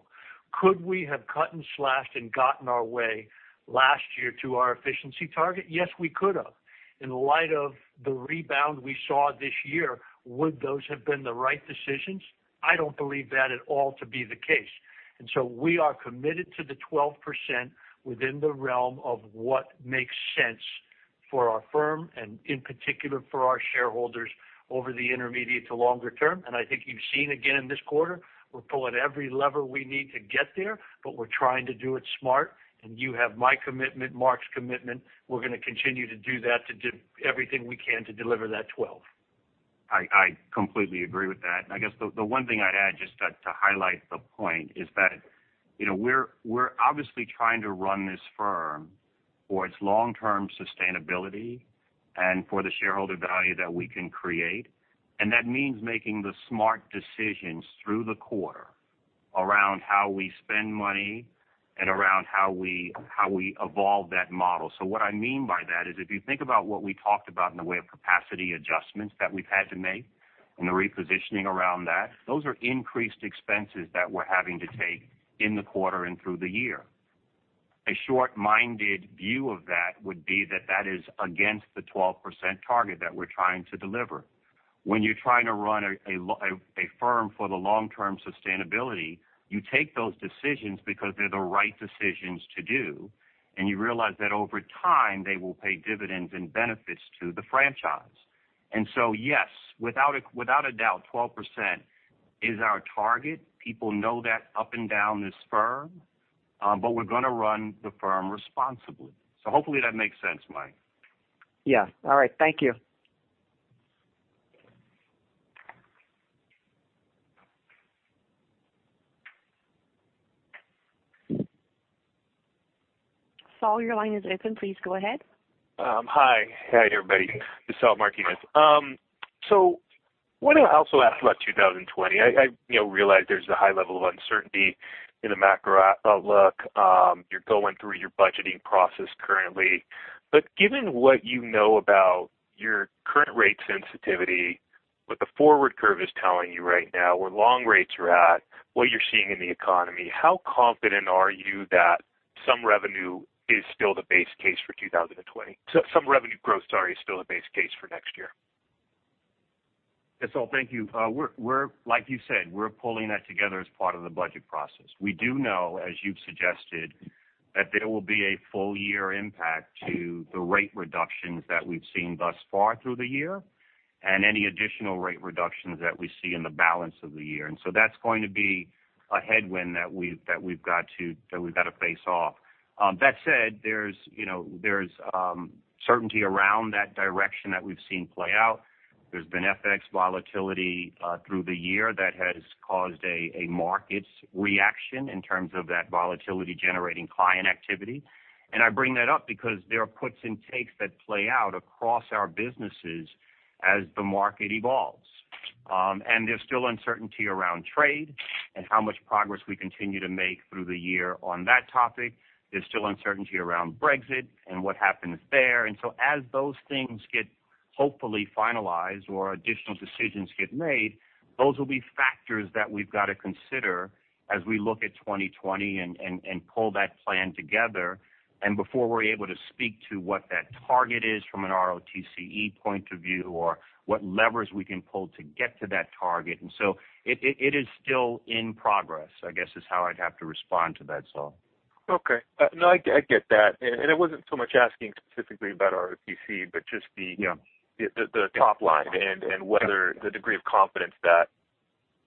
could we have cut and slashed and gotten our way last year to our efficiency target? Yes, we could have. In light of the rebound we saw this year, would those have been the right decisions? I don't believe that at all to be the case. We are committed to the 12% within the realm of what makes sense for our firm and in particular for our shareholders over the intermediate to longer term. I think you've seen again this quarter, we're pulling every lever we need to get there, but we're trying to do it smart. You have my commitment, Mark's commitment. We're going to continue to do that to do everything we can to deliver that 12. I completely agree with that. I guess the one thing I'd add just to highlight the point is that we're obviously trying to run this firm for its long-term sustainability and for the shareholder value that we can create. That means making the smart decisions through the quarter around how we spend money and around how we evolve that model. What I mean by that is if you think about what we talked about in the way of capacity adjustments that we've had to make and the repositioning around that, those are increased expenses that we're having to take in the quarter and through the year. A short-minded view of that would be that that is against the 12% target that we're trying to deliver. When you're trying to run a firm for the long-term sustainability, you take those decisions because they're the right decisions to do, and you realize that over time, they will pay dividends and benefits to the franchise. Yes, without a doubt, 12% is our target. People know that up and down this firm. We're going to run the firm responsibly. Hopefully that makes sense, Mike. Yeah. All right. Thank you. Saul, your line is open. Please go ahead. Hi, everybody. It's Saul Martinez. I wanted to also ask about 2020. I realize there's a high level of uncertainty in the macro outlook. You're going through your budgeting process currently. Given what you know about your current rate sensitivity, what the forward curve is telling you right now, where long rates are at, what you're seeing in the economy, how confident are you that some revenue is still the base case for 2020, some revenue growth, sorry, is still the base case for next year? Yes, Saul, thank you. Like you said, we're pulling that together as part of the budget process. We do know, as you've suggested, that there will be a full-year impact to the rate reductions that we've seen thus far through the year and any additional rate reductions that we see in the balance of the year. That's going to be a headwind that we've got to face off. That said, there's certainty around that direction that we've seen play out. There's been FX volatility through the year that has caused a market reaction in terms of that volatility generating client activity. I bring that up because there are puts and takes that play out across our businesses as the market evolves. There's still uncertainty around trade and how much progress we continue to make through the year on that topic. There's still uncertainty around Brexit and what happens there. As those things get hopefully finalized or additional decisions get made, those will be factors that we've got to consider as we look at 2020 and pull that plan together and before we're able to speak to what that target is from an ROTCE point of view or what levers we can pull to get to that target. It is still in progress, I guess is how I'd have to respond to that, Saul. Okay. No, I get that. It wasn't so much asking specifically about ROTCE. Yeah the top line and whether the degree of confidence that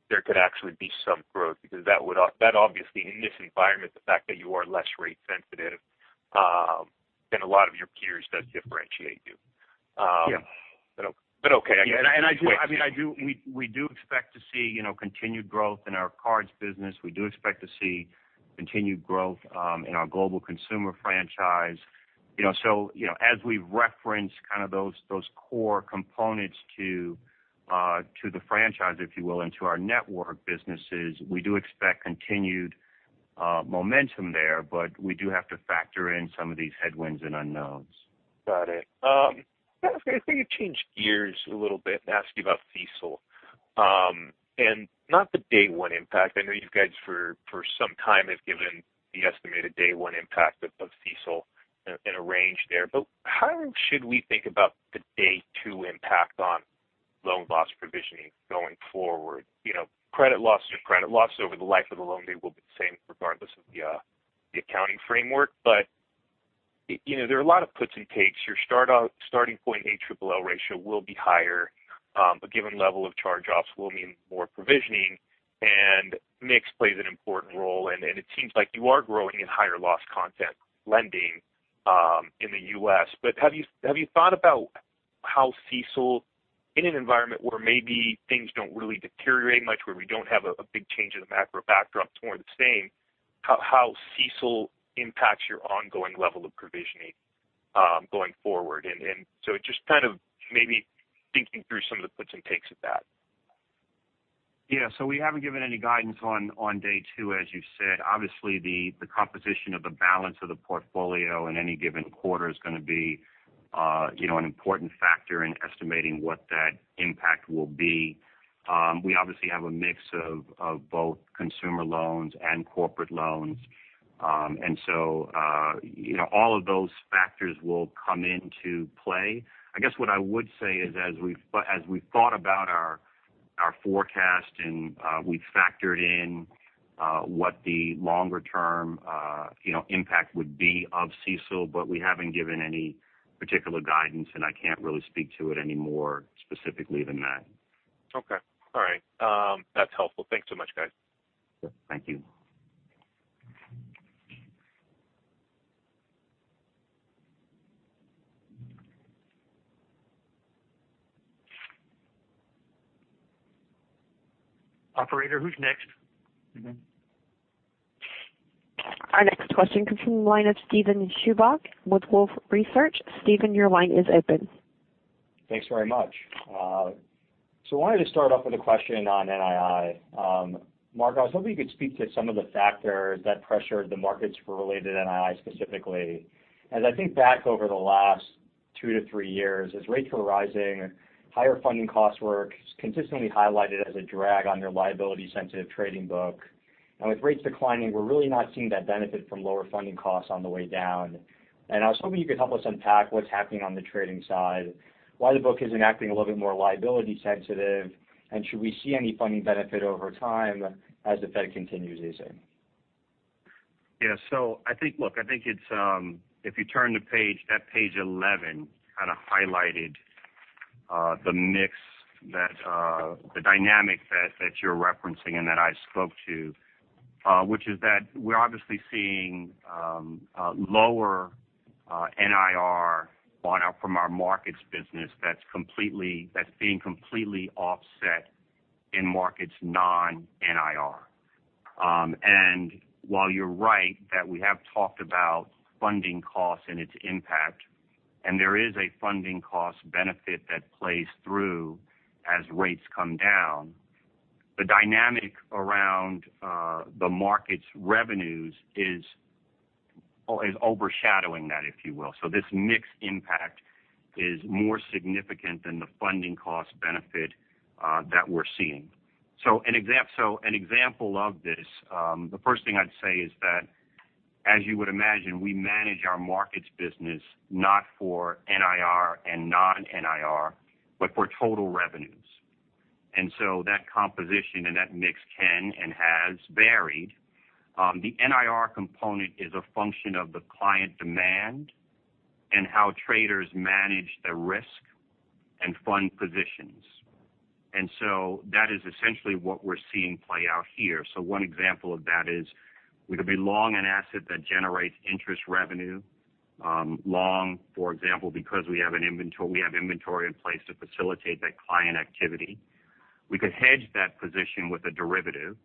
there could actually be some growth, because that obviously in this environment, the fact that you are less rate sensitive than a lot of your peers does differentiate you. Yeah. Okay. I get it. We do expect to see continued growth in our cards business. We do expect to see continued growth in our global consumer franchise. As we reference kind of those core components to the franchise, if you will, and to our network businesses, we do expect continued momentum there, but we do have to factor in some of these headwinds and unknowns. Got it. Can I just maybe change gears a little bit and ask you about CECL. Not the day one impact. I know you guys for some time have given the estimated day one impact of CECL in a range there. How should we think about the day two impact on loan loss provisioning going forward? Credit loss is credit loss over the life of the loan, they will be the same regardless of the accounting framework. There are a lot of puts and takes. Your starting point ALL ratio will be higher. A given level of charge-offs will mean more provisioning, and mix plays an important role, and it seems like you are growing in higher loss content lending in the U.S. Have you thought about how CECL in an environment where maybe things don't really deteriorate much, where we don't have a big change in the macro backdrop, it's more the same, how CECL impacts your ongoing level of provisioning going forward? Just kind of maybe thinking through some of the puts and takes of that. Yeah. We haven't given any guidance on day two, as you said. Obviously, the composition of the balance of the portfolio in any given quarter is going to be an important factor in estimating what that impact will be. We obviously have a mix of both consumer loans and corporate loans. All of those factors will come into play. I guess what I would say is as we've thought about our forecast and we've factored in what the longer-term impact would be of CECL, we haven't given any particular guidance, and I can't really speak to it any more specifically than that. Okay. All right. That's helpful. Thanks so much, guys. Thank you. Operator, who's next? Our next question comes from the line of Steven Chubak with Wolfe Research. Steven, your line is open. Thanks very much. I wanted to start off with a question on NII. Mark, I was hoping you could speak to some of the factors that pressured the markets for related NII specifically. As I think back over the last two to three years, as rates were rising, higher funding costs were consistently highlighted as a drag on your liability-sensitive trading book. With rates declining, we're really not seeing that benefit from lower funding costs on the way down. I was hoping you could help us unpack what's happening on the trading side, why the book isn't acting a little bit more liability sensitive, and should we see any funding benefit over time as the Fed continues easing? Yeah. Look, I think if you turn the page at page 11, kind of highlighted the mix, the dynamic that you're referencing and that I spoke to which is that we're obviously seeing lower NIR from our Markets business that's being completely offset in Markets non-NIR. While you're right that we have talked about funding costs and its impact, and there is a funding cost benefit that plays through as rates come down, the dynamic around the Markets revenues is overshadowing that, if you will. This mix impact is more significant than the funding cost benefit that we're seeing. An example of this, the first thing I'd say is that as you would imagine, we manage our Markets business not for NIR and non-NIR, but for total revenues. That composition and that mix can and has varied. The NIR component is a function of the client demand and how traders manage the risk and fund positions. That is essentially what we're seeing play out here. One example of that is we could be long an asset that generates interest revenue. Long, for example, because we have inventory in place to facilitate that client activity. We could hedge that position with a derivative,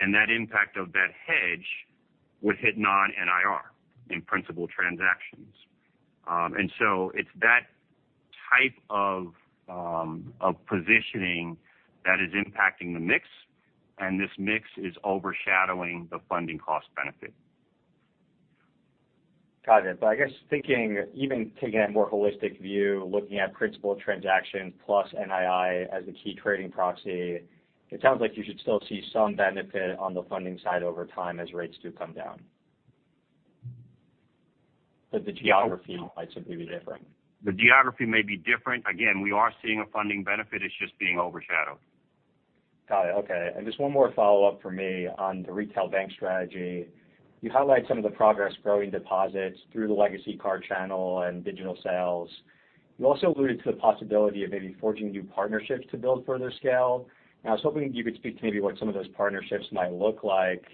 and that impact of that hedge would hit non-NIR in principal transactions. It's that type of positioning that is impacting the mix, and this mix is overshadowing the funding cost benefit. Got it. I guess thinking, even taking a more holistic view, looking at principal transactions plus NII as the key trading proxy, it sounds like you should still see some benefit on the funding side over time as rates do come down. The geography might simply be different. The geography may be different. Again, we are seeing a funding benefit. It's just being overshadowed. Got it. Okay. Just one more follow-up from me on the retail bank strategy. You highlight some of the progress growing deposits through the legacy card channel and digital sales. You also alluded to the possibility of maybe forging new partnerships to build further scale. I was hoping you could speak to maybe what some of those partnerships might look like.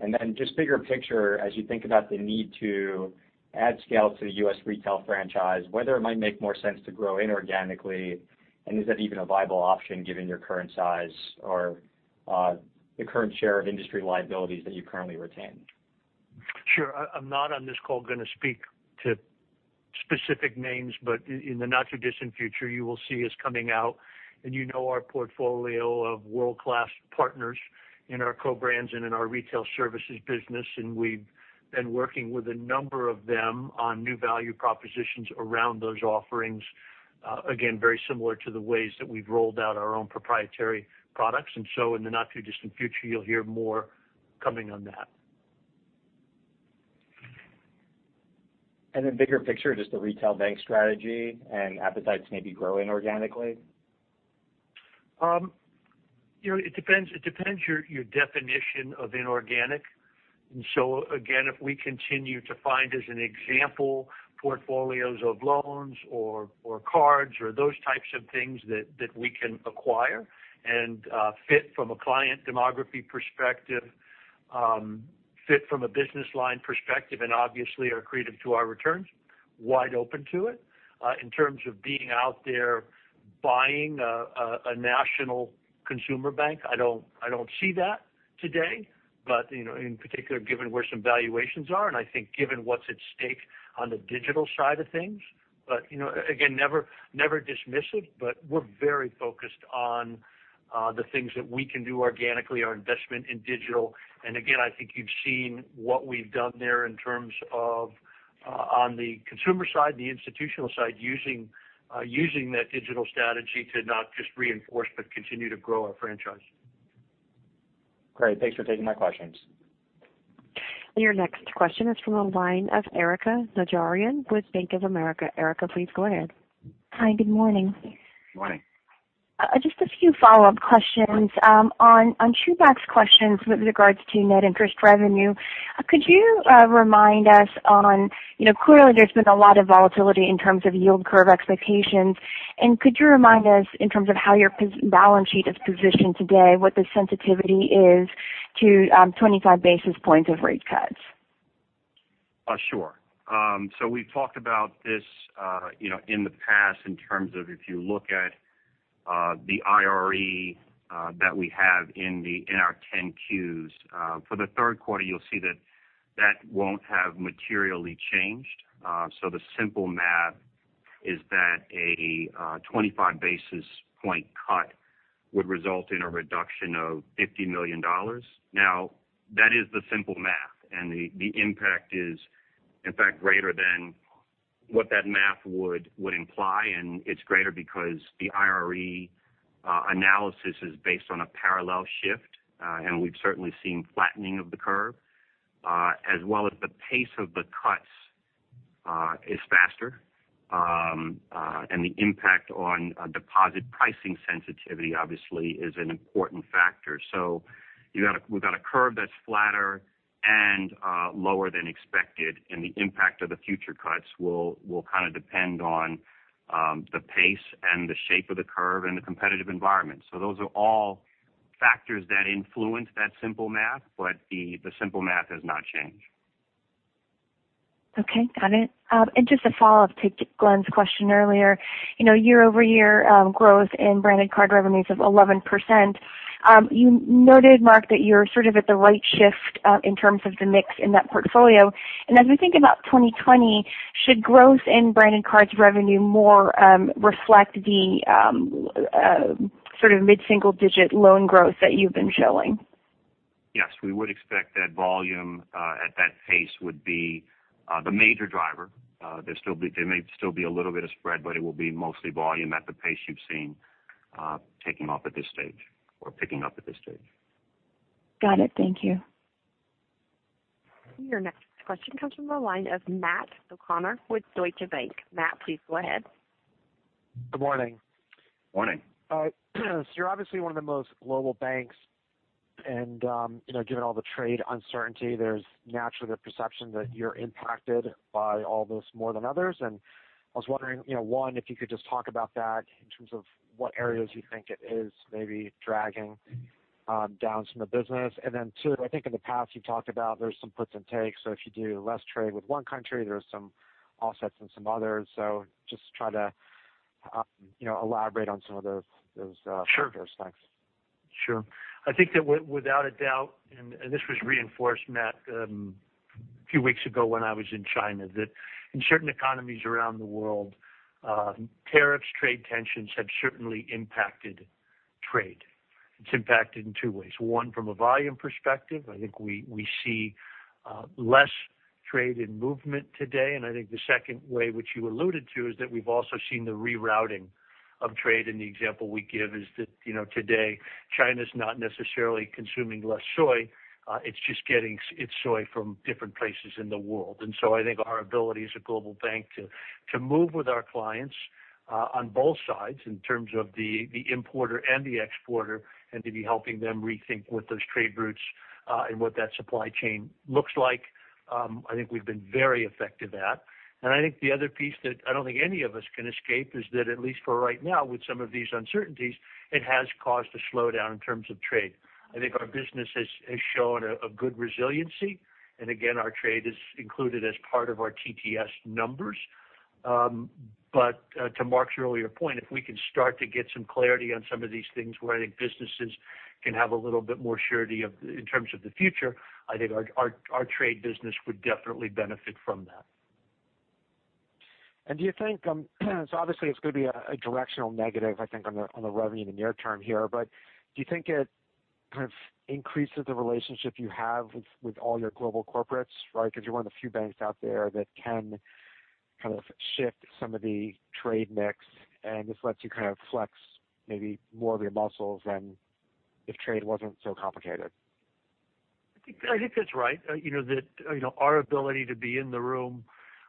Then just bigger picture, as you think about the need to add scale to the U.S. retail franchise, whether it might make more sense to grow inorganically, and is that even a viable option given your current size or the current share of industry liabilities that you currently retain? Sure. I'm not on this call going to speak to specific names, but in the not-too-distant future, you will see us coming out. You know our portfolio of world-class partners in our co-brands and in our Retail Services business, and we've been working with a number of them on new value propositions around those offerings. Again, very similar to the ways that we've rolled out our own proprietary products. In the not-too-distant future, you'll hear more coming on that. Bigger picture, just the retail bank strategy and appetites maybe grow inorganically? It depends your definition of inorganic. So again, if we continue to find, as an example, portfolios of loans or cards or those types of things that we can acquire and fit from a client demography perspective, fit from a business line perspective, and obviously are accretive to our returns, wide open to it. In terms of being out there buying a national consumer bank, I don't see that today, but in particular, given where some valuations are, and I think given what's at stake on the digital side of things. Again, never dismiss it, but we're very focused on the things that we can do organically, our investment in digital. Again, I think you've seen what we've done there in terms of on the consumer side, the institutional side, using that digital strategy to not just reinforce, but continue to grow our franchise. Great. Thanks for taking my questions. Your next question is from the line of Erika Najarian with Bank of America. Erika, please go ahead. Hi, good morning. Good morning. Just a few follow-up questions. On Chubak's questions with regards to net interest revenue, could you remind us clearly there's been a lot of volatility in terms of yield curve expectations. Could you remind us in terms of how your balance sheet is positioned today, what the sensitivity is to 25 basis points of rate cuts? Sure. We've talked about this in the past in terms of if you look at the IRE that we have in our 10-Qs. For the third quarter, you'll see that won't have materially changed. The simple math is that a 25-basis-point cut would result in a reduction of $50 million. Now, that is the simple math, and the impact is, in fact, greater than what that math would imply, and it's greater because the IRE analysis is based on a parallel shift. We've certainly seen flattening of the curve as well as the pace of the cuts is faster. The impact on deposit pricing sensitivity obviously is an important factor. We've got a curve that's flatter and lower than expected, and the impact of the future cuts will kind of depend on the pace and the shape of the curve and the competitive environment. Those are all factors that influence that simple math, but the simple math has not changed. Okay, got it. Just a follow-up to Glenn's question earlier. Year-over-year growth in Branded Cards revenues of 11%. You noted, Mark, that you're sort of at the right shift in terms of the mix in that portfolio. As we think about 2020, should growth in Branded Cards revenue more reflect the sort of mid-single-digit loan growth that you've been showing? Yes, we would expect that volume at that pace would be the major driver. There may still be a little bit of spread, but it will be mostly volume at the pace you've seen taking off at this stage, or picking up at this stage. Got it. Thank you. Your next question comes from the line of Matthew O'Connor with Deutsche Bank. Matt, please go ahead. Good morning. Morning. You're obviously one of the most global banks, and given all the trade uncertainty, there's naturally the perception that you're impacted by all this more than others. I was wondering, one, if you could just talk about that in terms of what areas you think it is maybe dragging down some of the business. Two, I think in the past you've talked about there's some puts and takes. If you do less trade with one country, there's some offsets in some others. Just try to elaborate on some of those. Sure things. Sure. I think that without a doubt, and this was reinforced, Matt, a few weeks ago when I was in China, that in certain economies around the world, tariffs, trade tensions have certainly impacted trade. It is impacted in two ways. One, from a volume perspective, I think we see less trade and movement today. I think the second way, which you alluded to, is that we have also seen the rerouting of trade, and the example we give is that today China is not necessarily consuming less soy. It is just getting its soy from different places in the world. I think our ability as a global bank to move with our clients on both sides in terms of the importer and the exporter, and to be helping them rethink what those trade routes and what that supply chain looks like I think we have been very effective at. I think the other piece that I don't think any of us can escape is that, at least for right now, with some of these uncertainties, it has caused a slowdown in terms of trade. I think our business has shown a good resiliency, and again, our trade is included as part of our TTS numbers. But to Mark's earlier point, if we can start to get some clarity on some of these things where I think businesses can have a little bit more surety in terms of the future, I think our trade business would definitely benefit from that. Obviously it's going to be a directional negative, I think, on the revenue in the near term here, but do you think it kind of increases the relationship you have with all your global corporates, right? You're one of the few banks out there that can kind of shift some of the trade mix, and this lets you kind of flex maybe more of your muscles than if trade wasn't so complicated. I think that's right. That our ability to be in the room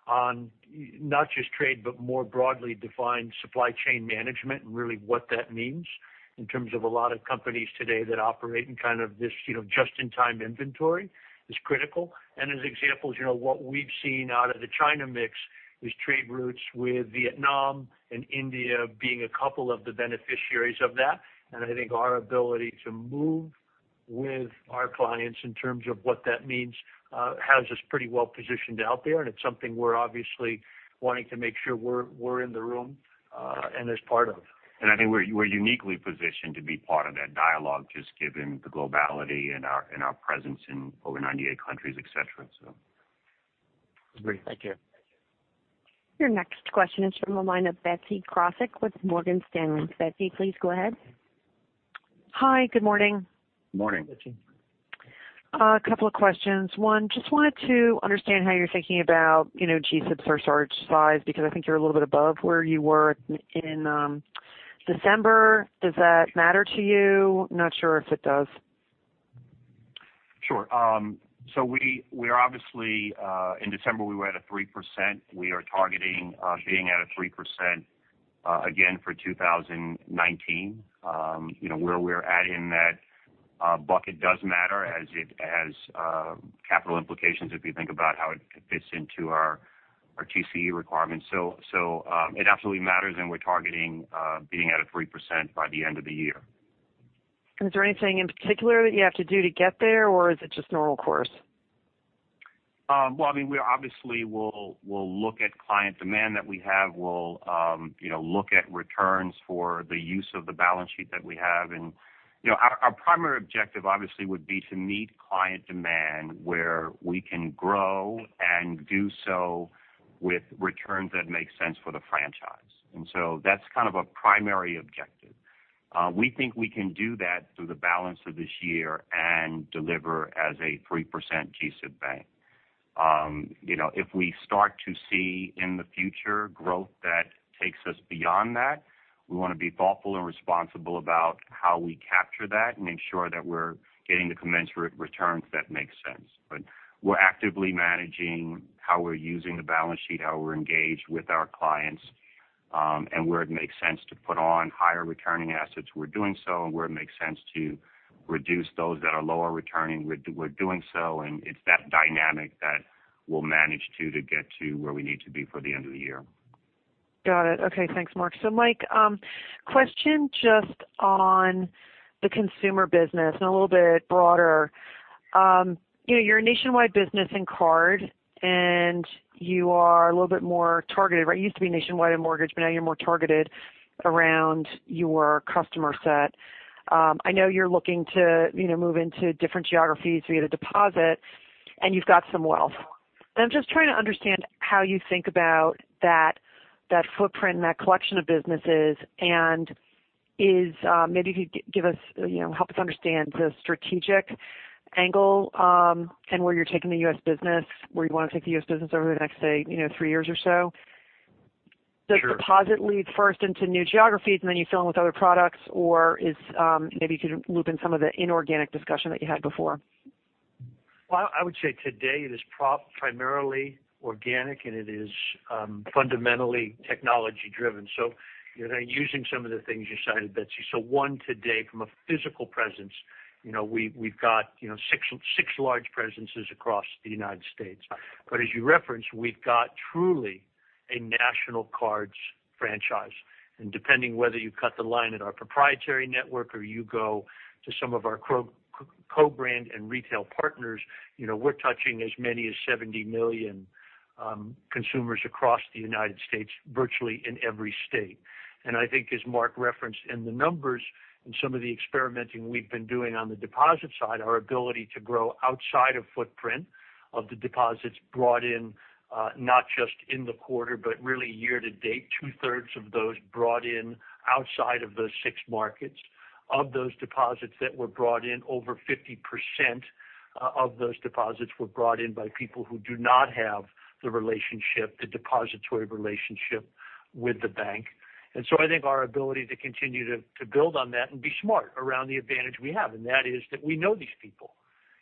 on not just trade, but more broadly defined supply chain management and really what that means in terms of a lot of companies today that operate in kind of this just-in-time inventory is critical. As examples, what we've seen out of the China mix is trade routes with Vietnam and India being a couple of the beneficiaries of that. I think our ability to move with our clients in terms of what that means has us pretty well positioned out there, and it's something we're obviously wanting to make sure we're in the room and as part of. I think we're uniquely positioned to be part of that dialogue, just given the globality and our presence in over 98 countries, et cetera. Agreed. Thank you. Your next question is from the line of Betsy Graseck with Morgan Stanley. Betsy, please go ahead. Hi, good morning. Morning. Morning, Betsy. A couple of questions. One, just wanted to understand how you're thinking about GSIB surcharge size because I think you're a little bit above where you were in December. Does that matter to you? Not sure if it does. Sure. We obviously in December we were at a 3%. We are targeting being at a 3% again for 2019. Where we're at in that bucket does matter as it has capital implications if you think about how it fits into our TCE requirements. It absolutely matters, and we're targeting being at a 3% by the end of the year. Is there anything in particular that you have to do to get there, or is it just normal course? Well, we obviously will look at client demand that we have. We'll look at returns for the use of the balance sheet that we have. Our primary objective obviously would be to meet client demand where we can grow and do so with returns that make sense for the franchise. That's kind of a primary objective. We think we can do that through the balance of this year and deliver as a 3% GSIB bank. If we start to see in the future growth that takes us beyond that, we want to be thoughtful and responsible about how we capture that and ensure that we're getting the commensurate returns that make sense. We're actively managing how we're using the balance sheet, how we're engaged with our clients. Where it makes sense to put on higher returning assets, we're doing so, and where it makes sense to reduce those that are lower returning, we're doing so. It's that dynamic that we'll manage to get to where we need to be for the end of the year. Got it. Okay. Thanks, Mark. Mike, question just on the consumer business and a little bit broader. You're a nationwide business in card, and you are a little bit more targeted, right? You used to be nationwide in mortgage, but now you're more targeted around your customer set. I know you're looking to move into different geographies via deposit, and you've got some wealth. I'm just trying to understand how you think about that footprint and that collection of businesses, and maybe if you could help us understand the strategic angle, and where you're taking the U.S. business, where you want to take the U.S. business over the next, say, three years or so. Sure. Does deposit lead first into new geographies and then you fill in with other products? Maybe if you could loop in some of the inorganic discussion that you had before? I would say today it is primarily organic, and it is fundamentally technology-driven. Using some of the things you cited, Betsy. One today from a physical presence we've got six large presences across the United States. As you referenced, we've got truly a national cards franchise. Depending whether you cut the line at our proprietary network or you go to some of our co-brand and retail partners we're touching as many as 70 million consumers across the United States, virtually in every state. I think as Mark referenced in the numbers and some of the experimenting we've been doing on the deposit side, our ability to grow outside of footprint of the deposits brought in not just in the quarter, but really year to date, two-thirds of those brought in outside of those six markets. Of those deposits that were brought in, over 50% of those deposits were brought in by people who do not have the relationship, the depository relationship with the bank. I think our ability to continue to build on that and be smart around the advantage we have, and that is that we know these people.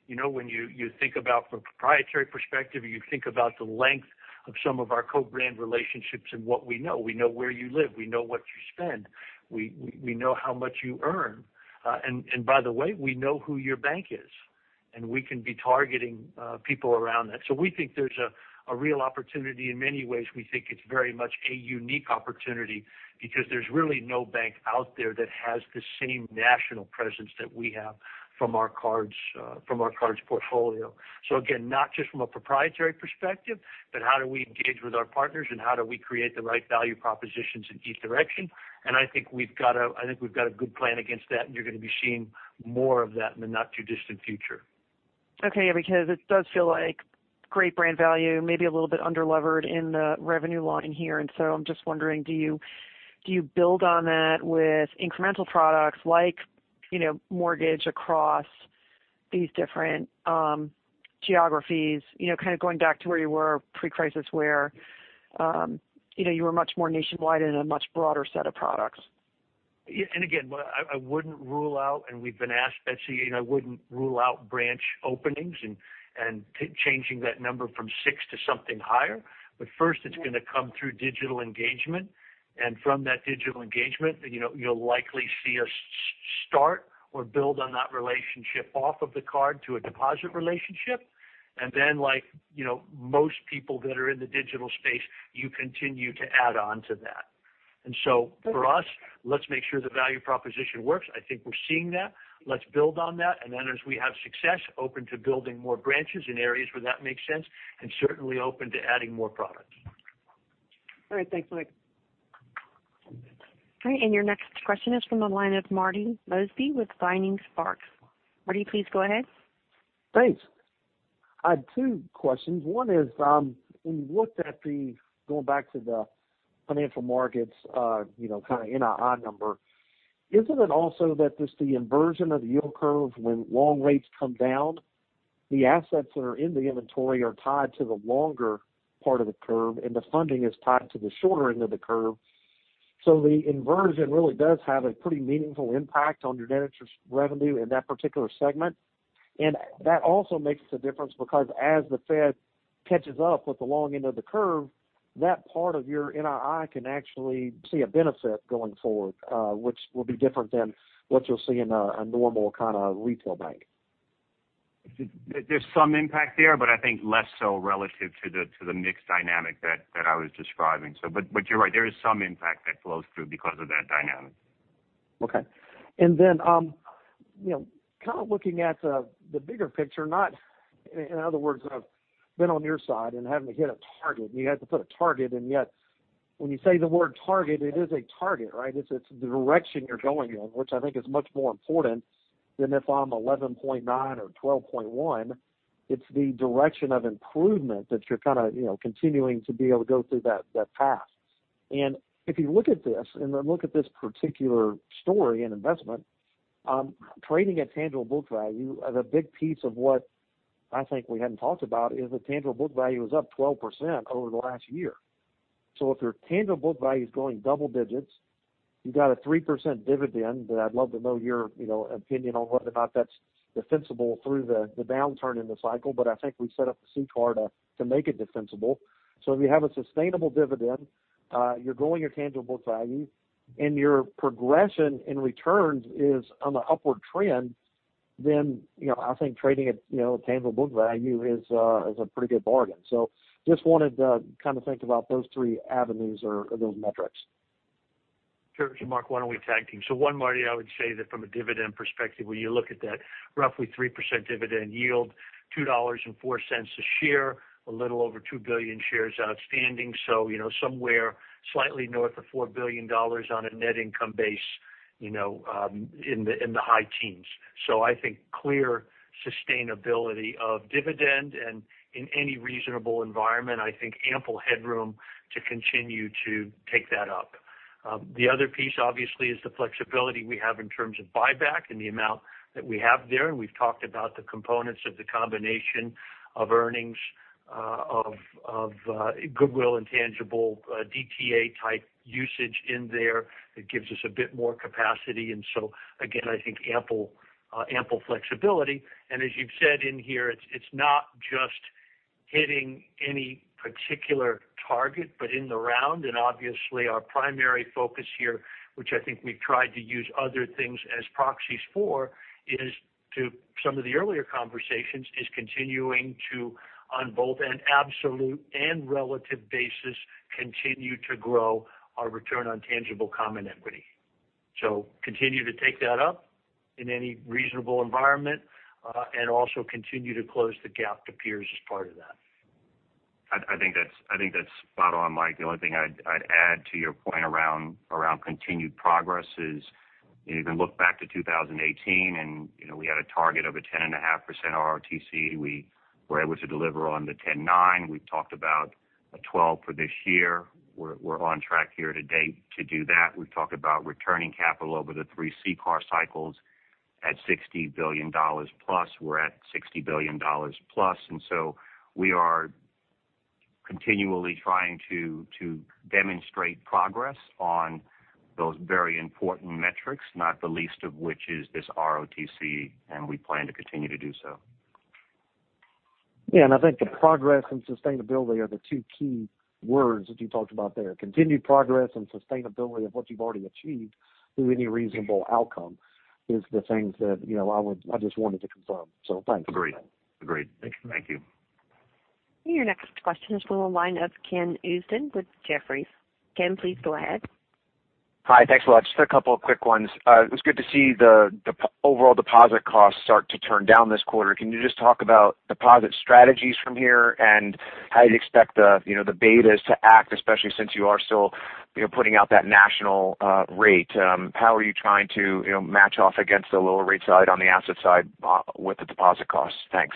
When you think about from a proprietary perspective or you think about the length of some of our co-brand relationships and what we know. We know where you live. We know what you spend. We know how much you earn. By the way, we know who your bank is, and we can be targeting people around that. We think there's a real opportunity. In many ways, we think it's very much a unique opportunity because there's really no bank out there that has the same national presence that we have from our cards portfolio. Again, not just from a proprietary perspective, but how do we engage with our partners and how do we create the right value propositions in each direction? I think we've got a good plan against that, and you're going to be seeing more of that in the not-too-distant future. Okay. Because it does feel like great brand value, maybe a little bit under-levered in the revenue line here. I'm just wondering, do you build on that with incremental products like mortgage across these different geographies kind of going back to where you were pre-crisis where you were much more nationwide and a much broader set of products? Again, I wouldn't rule out, and we've been asked, Betsy, I wouldn't rule out branch openings and changing that number from six to something higher. First it's going to come through digital engagement, and from that digital engagement you'll likely see us start or build on that relationship off of the card to a deposit relationship. Then like most people that are in the digital space, you continue to add on to that. For us, let's make sure the value proposition works. I think we're seeing that. Let's build on that. Then as we have success, open to building more branches in areas where that makes sense, and certainly open to adding more products. All right. Thanks, Mike. All right. Your next question is from the line of Marty Mosby with Vining Sparks. Marty, please go ahead. Thanks. I had two questions. One is when you looked at the going back to the financial markets kind of NII number, isn't it also that just the inversion of the yield curve when long rates come down, the assets that are in the inventory are tied to the longer part of the curve, and the funding is tied to the shorter end of the curve? The inversion really does have a pretty meaningful impact on your net interest revenue in that particular segment. That also makes a difference because as the Fed catches up with the long end of the curve, that part of your NII can actually see a benefit going forward, which will be different than what you'll see in a normal kind of retail bank. There's some impact there, but I think less so relative to the mixed dynamic that I was describing. You're right, there is some impact that flows through because of that dynamic. Okay. Kind of looking at the bigger picture, in other words, I've been on your side and having to hit a target, and you have to put a target, and yet when you say the word target, it is a target, right? It's the direction you're going in, which I think is much more important than if I'm 11.9 or 12.1. It's the direction of improvement that you're kind of continuing to be able to go through that path. If you look at this and look at this particular story and investment, trading at tangible book value as a big piece of what I think we hadn't talked about is the tangible book value is up 12% over the last year. If your tangible book value is going double digits, you got a 3% dividend that I'd love to know your opinion on whether or not that's defensible through the downturn in the cycle, but I think we've set up the CCAR to make it defensible. If you have a sustainable dividend, you're growing your tangible value, and your progression in returns is on the upward trend, then I think trading at tangible book value is a pretty good bargain. Just wanted to kind of think about those three avenues or those metrics. Sure. Mark, why don't we tag team? One, Marty, I would say that from a dividend perspective, when you look at that roughly 3% dividend yield, $2.04 a share, a little over 2 billion shares outstanding, somewhere slightly north of $4 billion on a net income base in the high teens. I think clear sustainability of dividend and in any reasonable environment, I think ample headroom to continue to take that up. The other piece obviously is the flexibility we have in terms of buyback and the amount that we have there. We've talked about the components of the combination of earnings of goodwill and tangible DTA type usage in there that gives us a bit more capacity. Again, I think ample flexibility. As you've said in here, it's not just hitting any particular target, but in the round. Obviously our primary focus here, which I think we've tried to use other things as proxies for, is to some of the earlier conversations, is continuing to, on both an absolute and relative basis, continue to grow our return on tangible common equity. Continue to take that up in any reasonable environment, and also continue to close the gap to peers as part of that. I think that's spot on, Mike. The only thing I'd add to your point around continued progress is if you look back to 2018 we had a target of a 10.5% ROTCE. We were able to deliver on the 10.9%. We've talked about a 12% for this year. We're on track here to date to do that. We've talked about returning capital over the three CCAR cycles at $60 billion plus. We're at $60 billion plus. We are continually trying to demonstrate progress on those very important metrics, not the least of which is this ROTCE, and we plan to continue to do so. Yeah, I think the progress and sustainability are the two key words that you talked about there. Continued progress and sustainability of what you've already achieved through any reasonable outcome is the things that I just wanted to confirm. Thanks. Agreed. Thank you. Thank you. Your next question is from the line of Ken Usdin with Jefferies. Ken, please go ahead. Hi. Thanks a lot. Just a couple of quick ones. It was good to see the overall deposit costs start to turn down this quarter. Can you just talk about deposit strategies from here and how you'd expect the betas to act, especially since you are still putting out that national rate? How are you trying to match off against the lower rate side on the asset side with the deposit costs? Thanks.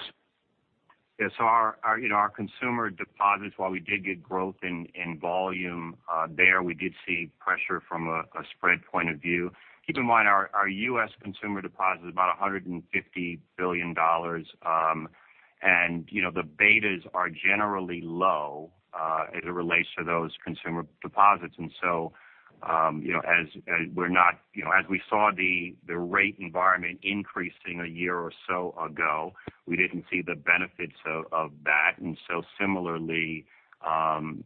Yes. Our consumer deposits, while we did get growth in volume there, we did see pressure from a spread point of view. Keep in mind, our U.S. consumer deposit is about $150 billion. The betas are generally low as it relates to those consumer deposits. As we saw the rate environment increasing a year or so ago, we didn't see the benefits of that. Similarly,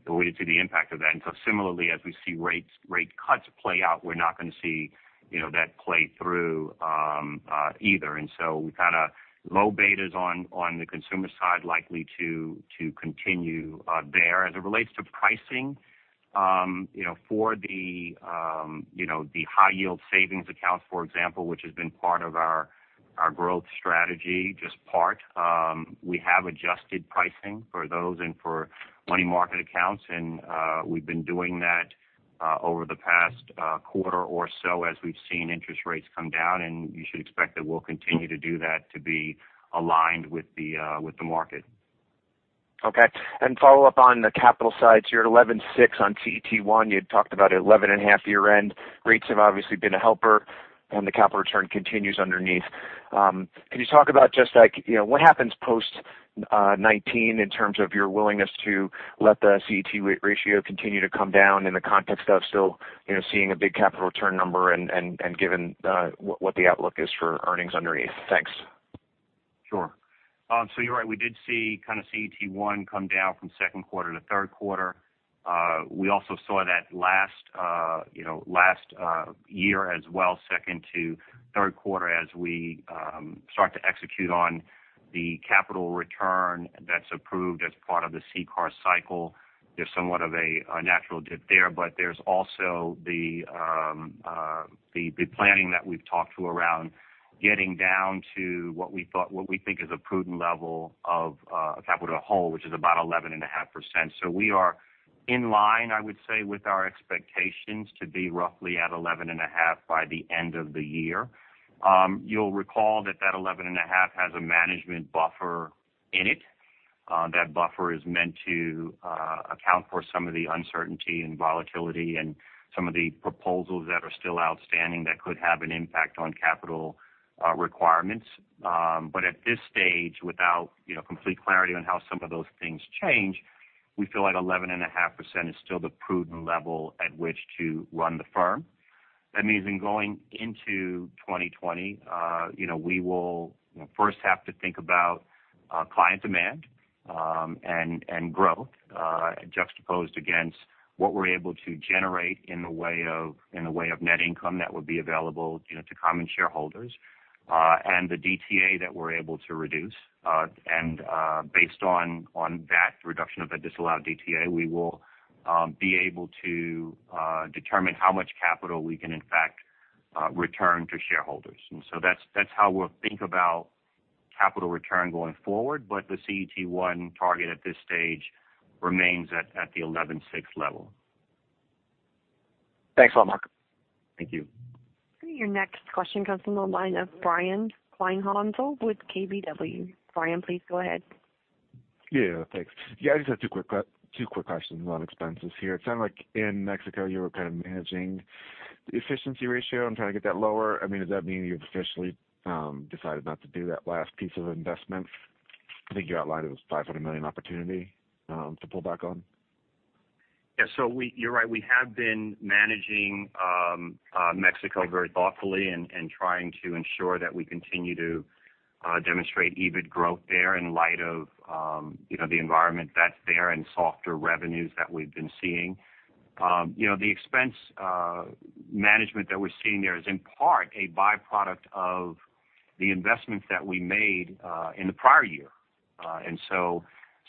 we didn't see the impact of that. Similarly, as we see rate cuts play out, we're not going to see that play through either. We've got low betas on the consumer side likely to continue there. As it relates to pricing for the high yield savings accounts, for example, which has been part of our growth strategy, just part, we have adjusted pricing for those and for money market accounts. We've been doing that over the past quarter or so as we've seen interest rates come down. You should expect that we'll continue to do that to be aligned with the market. Okay. Follow up on the capital side. You're at 11.6% on CET1. You had talked about 11.5% year-end. Rates have obviously been a helper, and the capital return continues underneath. Can you talk about just what happens post 2019 in terms of your willingness to let the CET ratio continue to come down in the context of still seeing a big capital return number and given what the outlook is for earnings underneath? Thanks. Sure. You're right. We did see kind of CET1 come down from second quarter to third quarter. We also saw that last year as well, second to third quarter, as we start to execute on the capital return that's approved as part of the CCAR cycle. There's somewhat of a natural dip there. There's also the planning that we've talked to around getting down to what we think is a prudent level of capital to hold, which is about 11.5%. We are in line, I would say, with our expectations to be roughly at 11.5 by the end of the year. You'll recall that that 11.5 has a management buffer in it. That buffer is meant to account for some of the uncertainty and volatility and some of the proposals that are still outstanding that could have an impact on capital requirements. At this stage, without complete clarity on how some of those things change, we feel like 11.5% is still the prudent level at which to run the firm. That means then going into 2020, we will first have to think about client demand and growth, juxtaposed against what we're able to generate in the way of net income that would be available to common shareholders, and the DTA that we're able to reduce. Based on that reduction of the disallowed DTA, we will be able to determine how much capital we can in fact return to shareholders. That's how we'll think about capital return going forward. The CET1 target at this stage remains at the 11.6 level. Thanks a lot, Mark. Thank you. Your next question comes from the line of Brian Kleinhanzl with KBW. Brian, please go ahead. Yeah. Thanks. Yeah, I just have two quick questions around expenses here. It sounded like in Mexico you were kind of managing the efficiency ratio and trying to get that lower. Does that mean you've officially decided not to do that last piece of investment? I think you outlined it was $500 million opportunity to pull back on. Yeah, you're right. We have been managing Mexico very thoughtfully and trying to ensure that we continue to demonstrate EBIT growth there in light of the environment that's there and softer revenues that we've been seeing. The expense management that we're seeing there is in part a byproduct of the investments that we made in the prior year.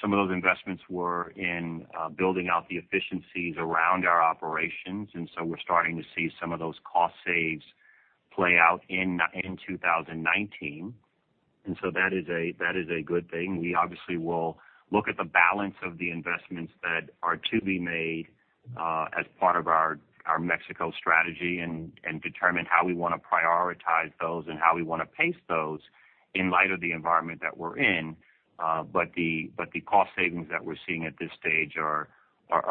Some of those investments were in building out the efficiencies around our operations, and so we're starting to see some of those cost saves play out in 2019. That is a good thing. We obviously will look at the balance of the investments that are to be made as part of our Mexico strategy and determine how we want to prioritize those and how we want to pace those in light of the environment that we're in. The cost savings that we're seeing at this stage are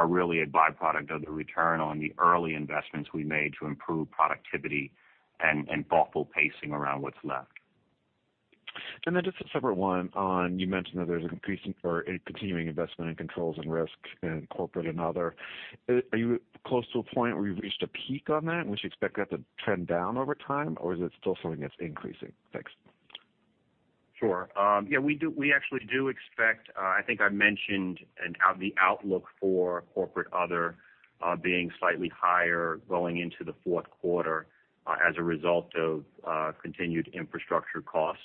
really a byproduct of the return on the early investments we made to improve productivity and thoughtful pacing around what's left. Just a separate one on, you mentioned that there's a continuing investment in controls and risk in Corporate/Other. Are you close to a point where you've reached a peak on that and would you expect that to trend down over time, or is it still something that's increasing? Thanks. Sure. Yeah, we actually do expect, I think I mentioned the outlook for Corporate/Other being slightly higher going into the fourth quarter as a result of continued infrastructure cost.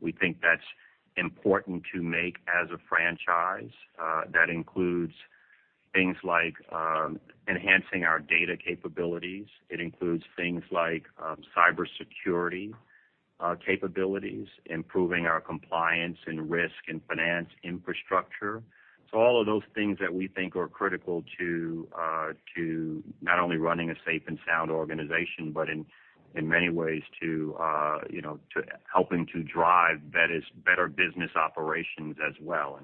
We think that's important to make as a franchise. That includes things like enhancing our data capabilities. It includes things like cybersecurity capabilities, improving our compliance and risk and finance infrastructure. All of those things that we think are critical to not only running a safe and sound organization, but in many ways helping to drive better business operations as well.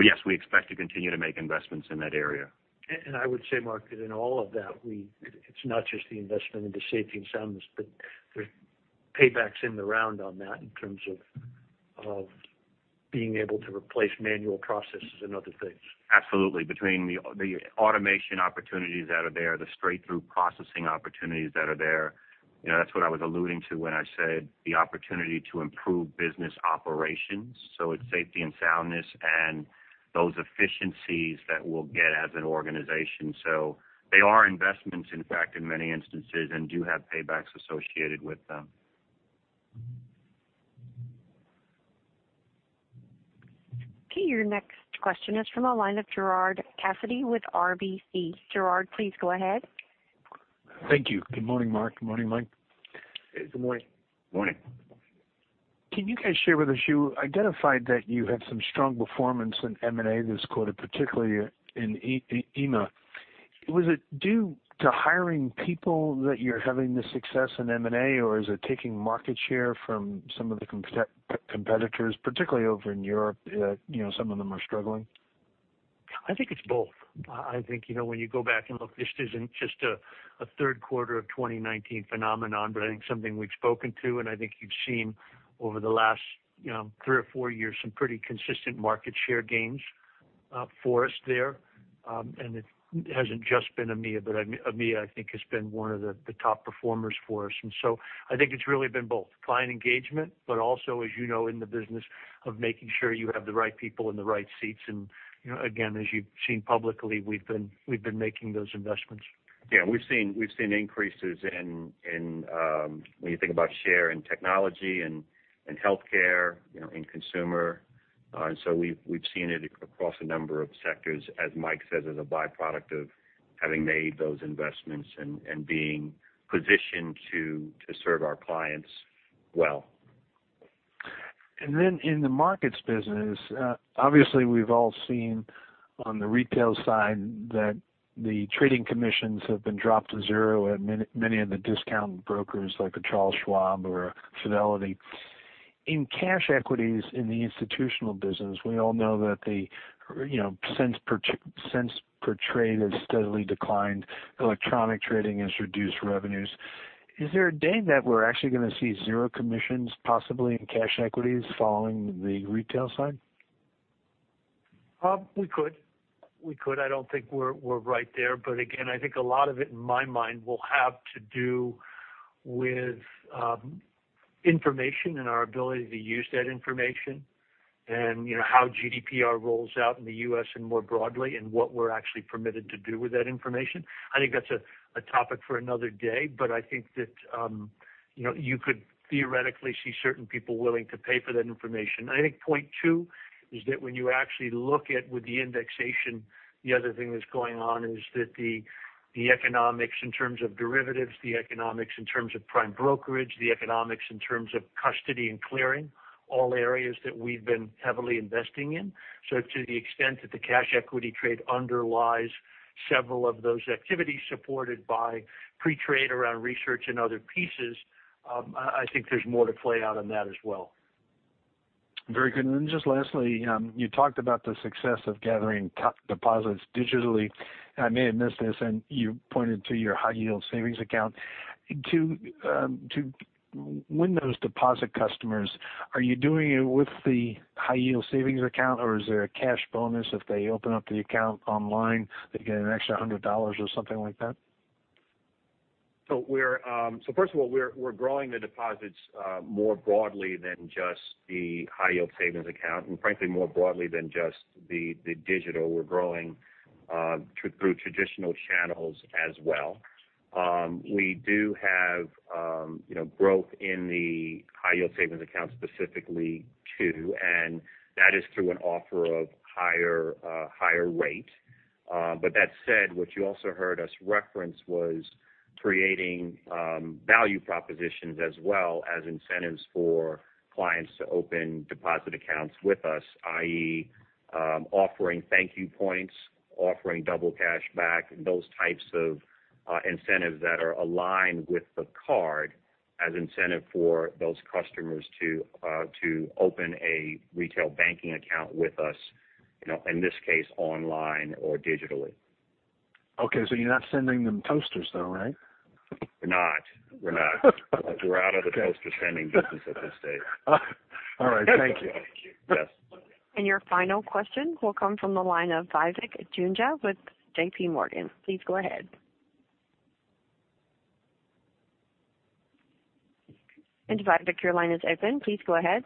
Yes, we expect to continue to make investments in that area. I would say, Mark, that in all of that, it's not just the investment into safety and soundness, but there's paybacks in the round on that in terms of being able to replace manual processes and other things. Absolutely. Between the automation opportunities that are there, the straight-through processing opportunities that are there. That's what I was alluding to when I said the opportunity to improve business operations. It's safety and soundness and those efficiencies that we'll get as an organization. They are investments, in fact, in many instances, and do have paybacks associated with them. Okay, your next question is from the line of Gerard Cassidy with RBC. Gerard, please go ahead. Thank you. Good morning, Mark. Good morning, Mike. Good morning. Morning. Can you guys share with us, you identified that you had some strong performance in M&A that was quoted, particularly in EMEA? Was it due to hiring people that you're having the success in M&A, or is it taking market share from some of the competitors, particularly over in Europe? Some of them are struggling. I think it's both. I think when you go back and look, this isn't just a third quarter of 2019 phenomenon, but I think something we've spoken to, and I think you've seen over the last three or four years, some pretty consistent market share gains for us there. It hasn't just been EMEA, but EMEA, I think has been one of the top performers for us. I think it's really been both client engagement, but also, as you know, in the business of making sure you have the right people in the right seats. Again, as you've seen publicly, we've been making those investments. Yeah, we've seen increases in, when you think about share in technology and healthcare, in consumer. We've seen it across a number of sectors, as Mike says, as a byproduct of having made those investments and being positioned to serve our clients well. In the markets business, obviously we've all seen on the retail side that the trading commissions have been dropped to zero at many of the discount brokers like a Charles Schwab or a Fidelity. In cash equities in the institutional business, we all know that the cents per trade has steadily declined. Electronic trading has reduced revenues. Is there a day that we're actually going to see zero commissions possibly in cash equities following the retail side? We could. I don't think we're right there. Again, I think a lot of it, in my mind, will have to do with information and our ability to use that information, and how GDPR rolls out in the U.S. and more broadly, and what we're actually permitted to do with that information. I think that's a topic for another day. I think that you could theoretically see certain people willing to pay for that information. I think point two is that when you actually look at with the indexation, the other thing that's going on is that the economics in terms of derivatives, the economics in terms of prime brokerage, the economics in terms of custody and clearing, all areas that we've been heavily investing in. To the extent that the cash equity trade underlies several of those activities supported by pre-trade around research and other pieces, I think there's more to play out on that as well. Very good. Just lastly, you talked about the success of gathering deposits digitally. I may have missed this, and you pointed to your high yield savings account. To win those deposit customers, are you doing it with the high yield savings account, or is there a cash bonus if they open up the account online, they get an extra $100 or something like that? First of all, we're growing the deposits more broadly than just the high yield savings account, and frankly, more broadly than just the digital. We're growing through traditional channels as well. We do have growth in the high yield savings account specifically, too, and that is through an offer of higher rate. That said, what you also heard us reference was creating value propositions as well as incentives for clients to open deposit accounts with us, i.e., offering thank you points, offering double cash back, those types of incentives that are aligned with the card as incentive for those customers to open a retail banking account with us, in this case, online or digitally. Okay. You're not sending them toasters, though, right? We're not. We're out of the toaster-sending business at this stage. All right. Thank you. Yes. Your final question will come from the line of Vivek Juneja with JPMorgan. Please go ahead. Vivek, your line is open. Please go ahead.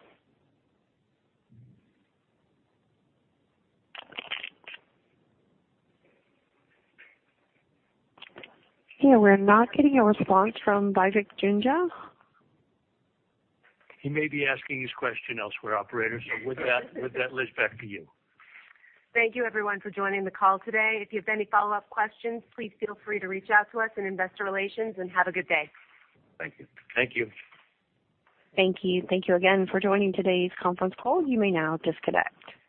Yeah, we're not getting a response from Vivek Juneja. He may be asking his question elsewhere, operator. With that, Liz, back to you. Thank you everyone for joining the call today. If you have any follow-up questions, please feel free to reach out to us in investor relations, and have a good day. Thank you. Thank you. Thank you. Thank you again for joining today's conference call. You may now disconnect.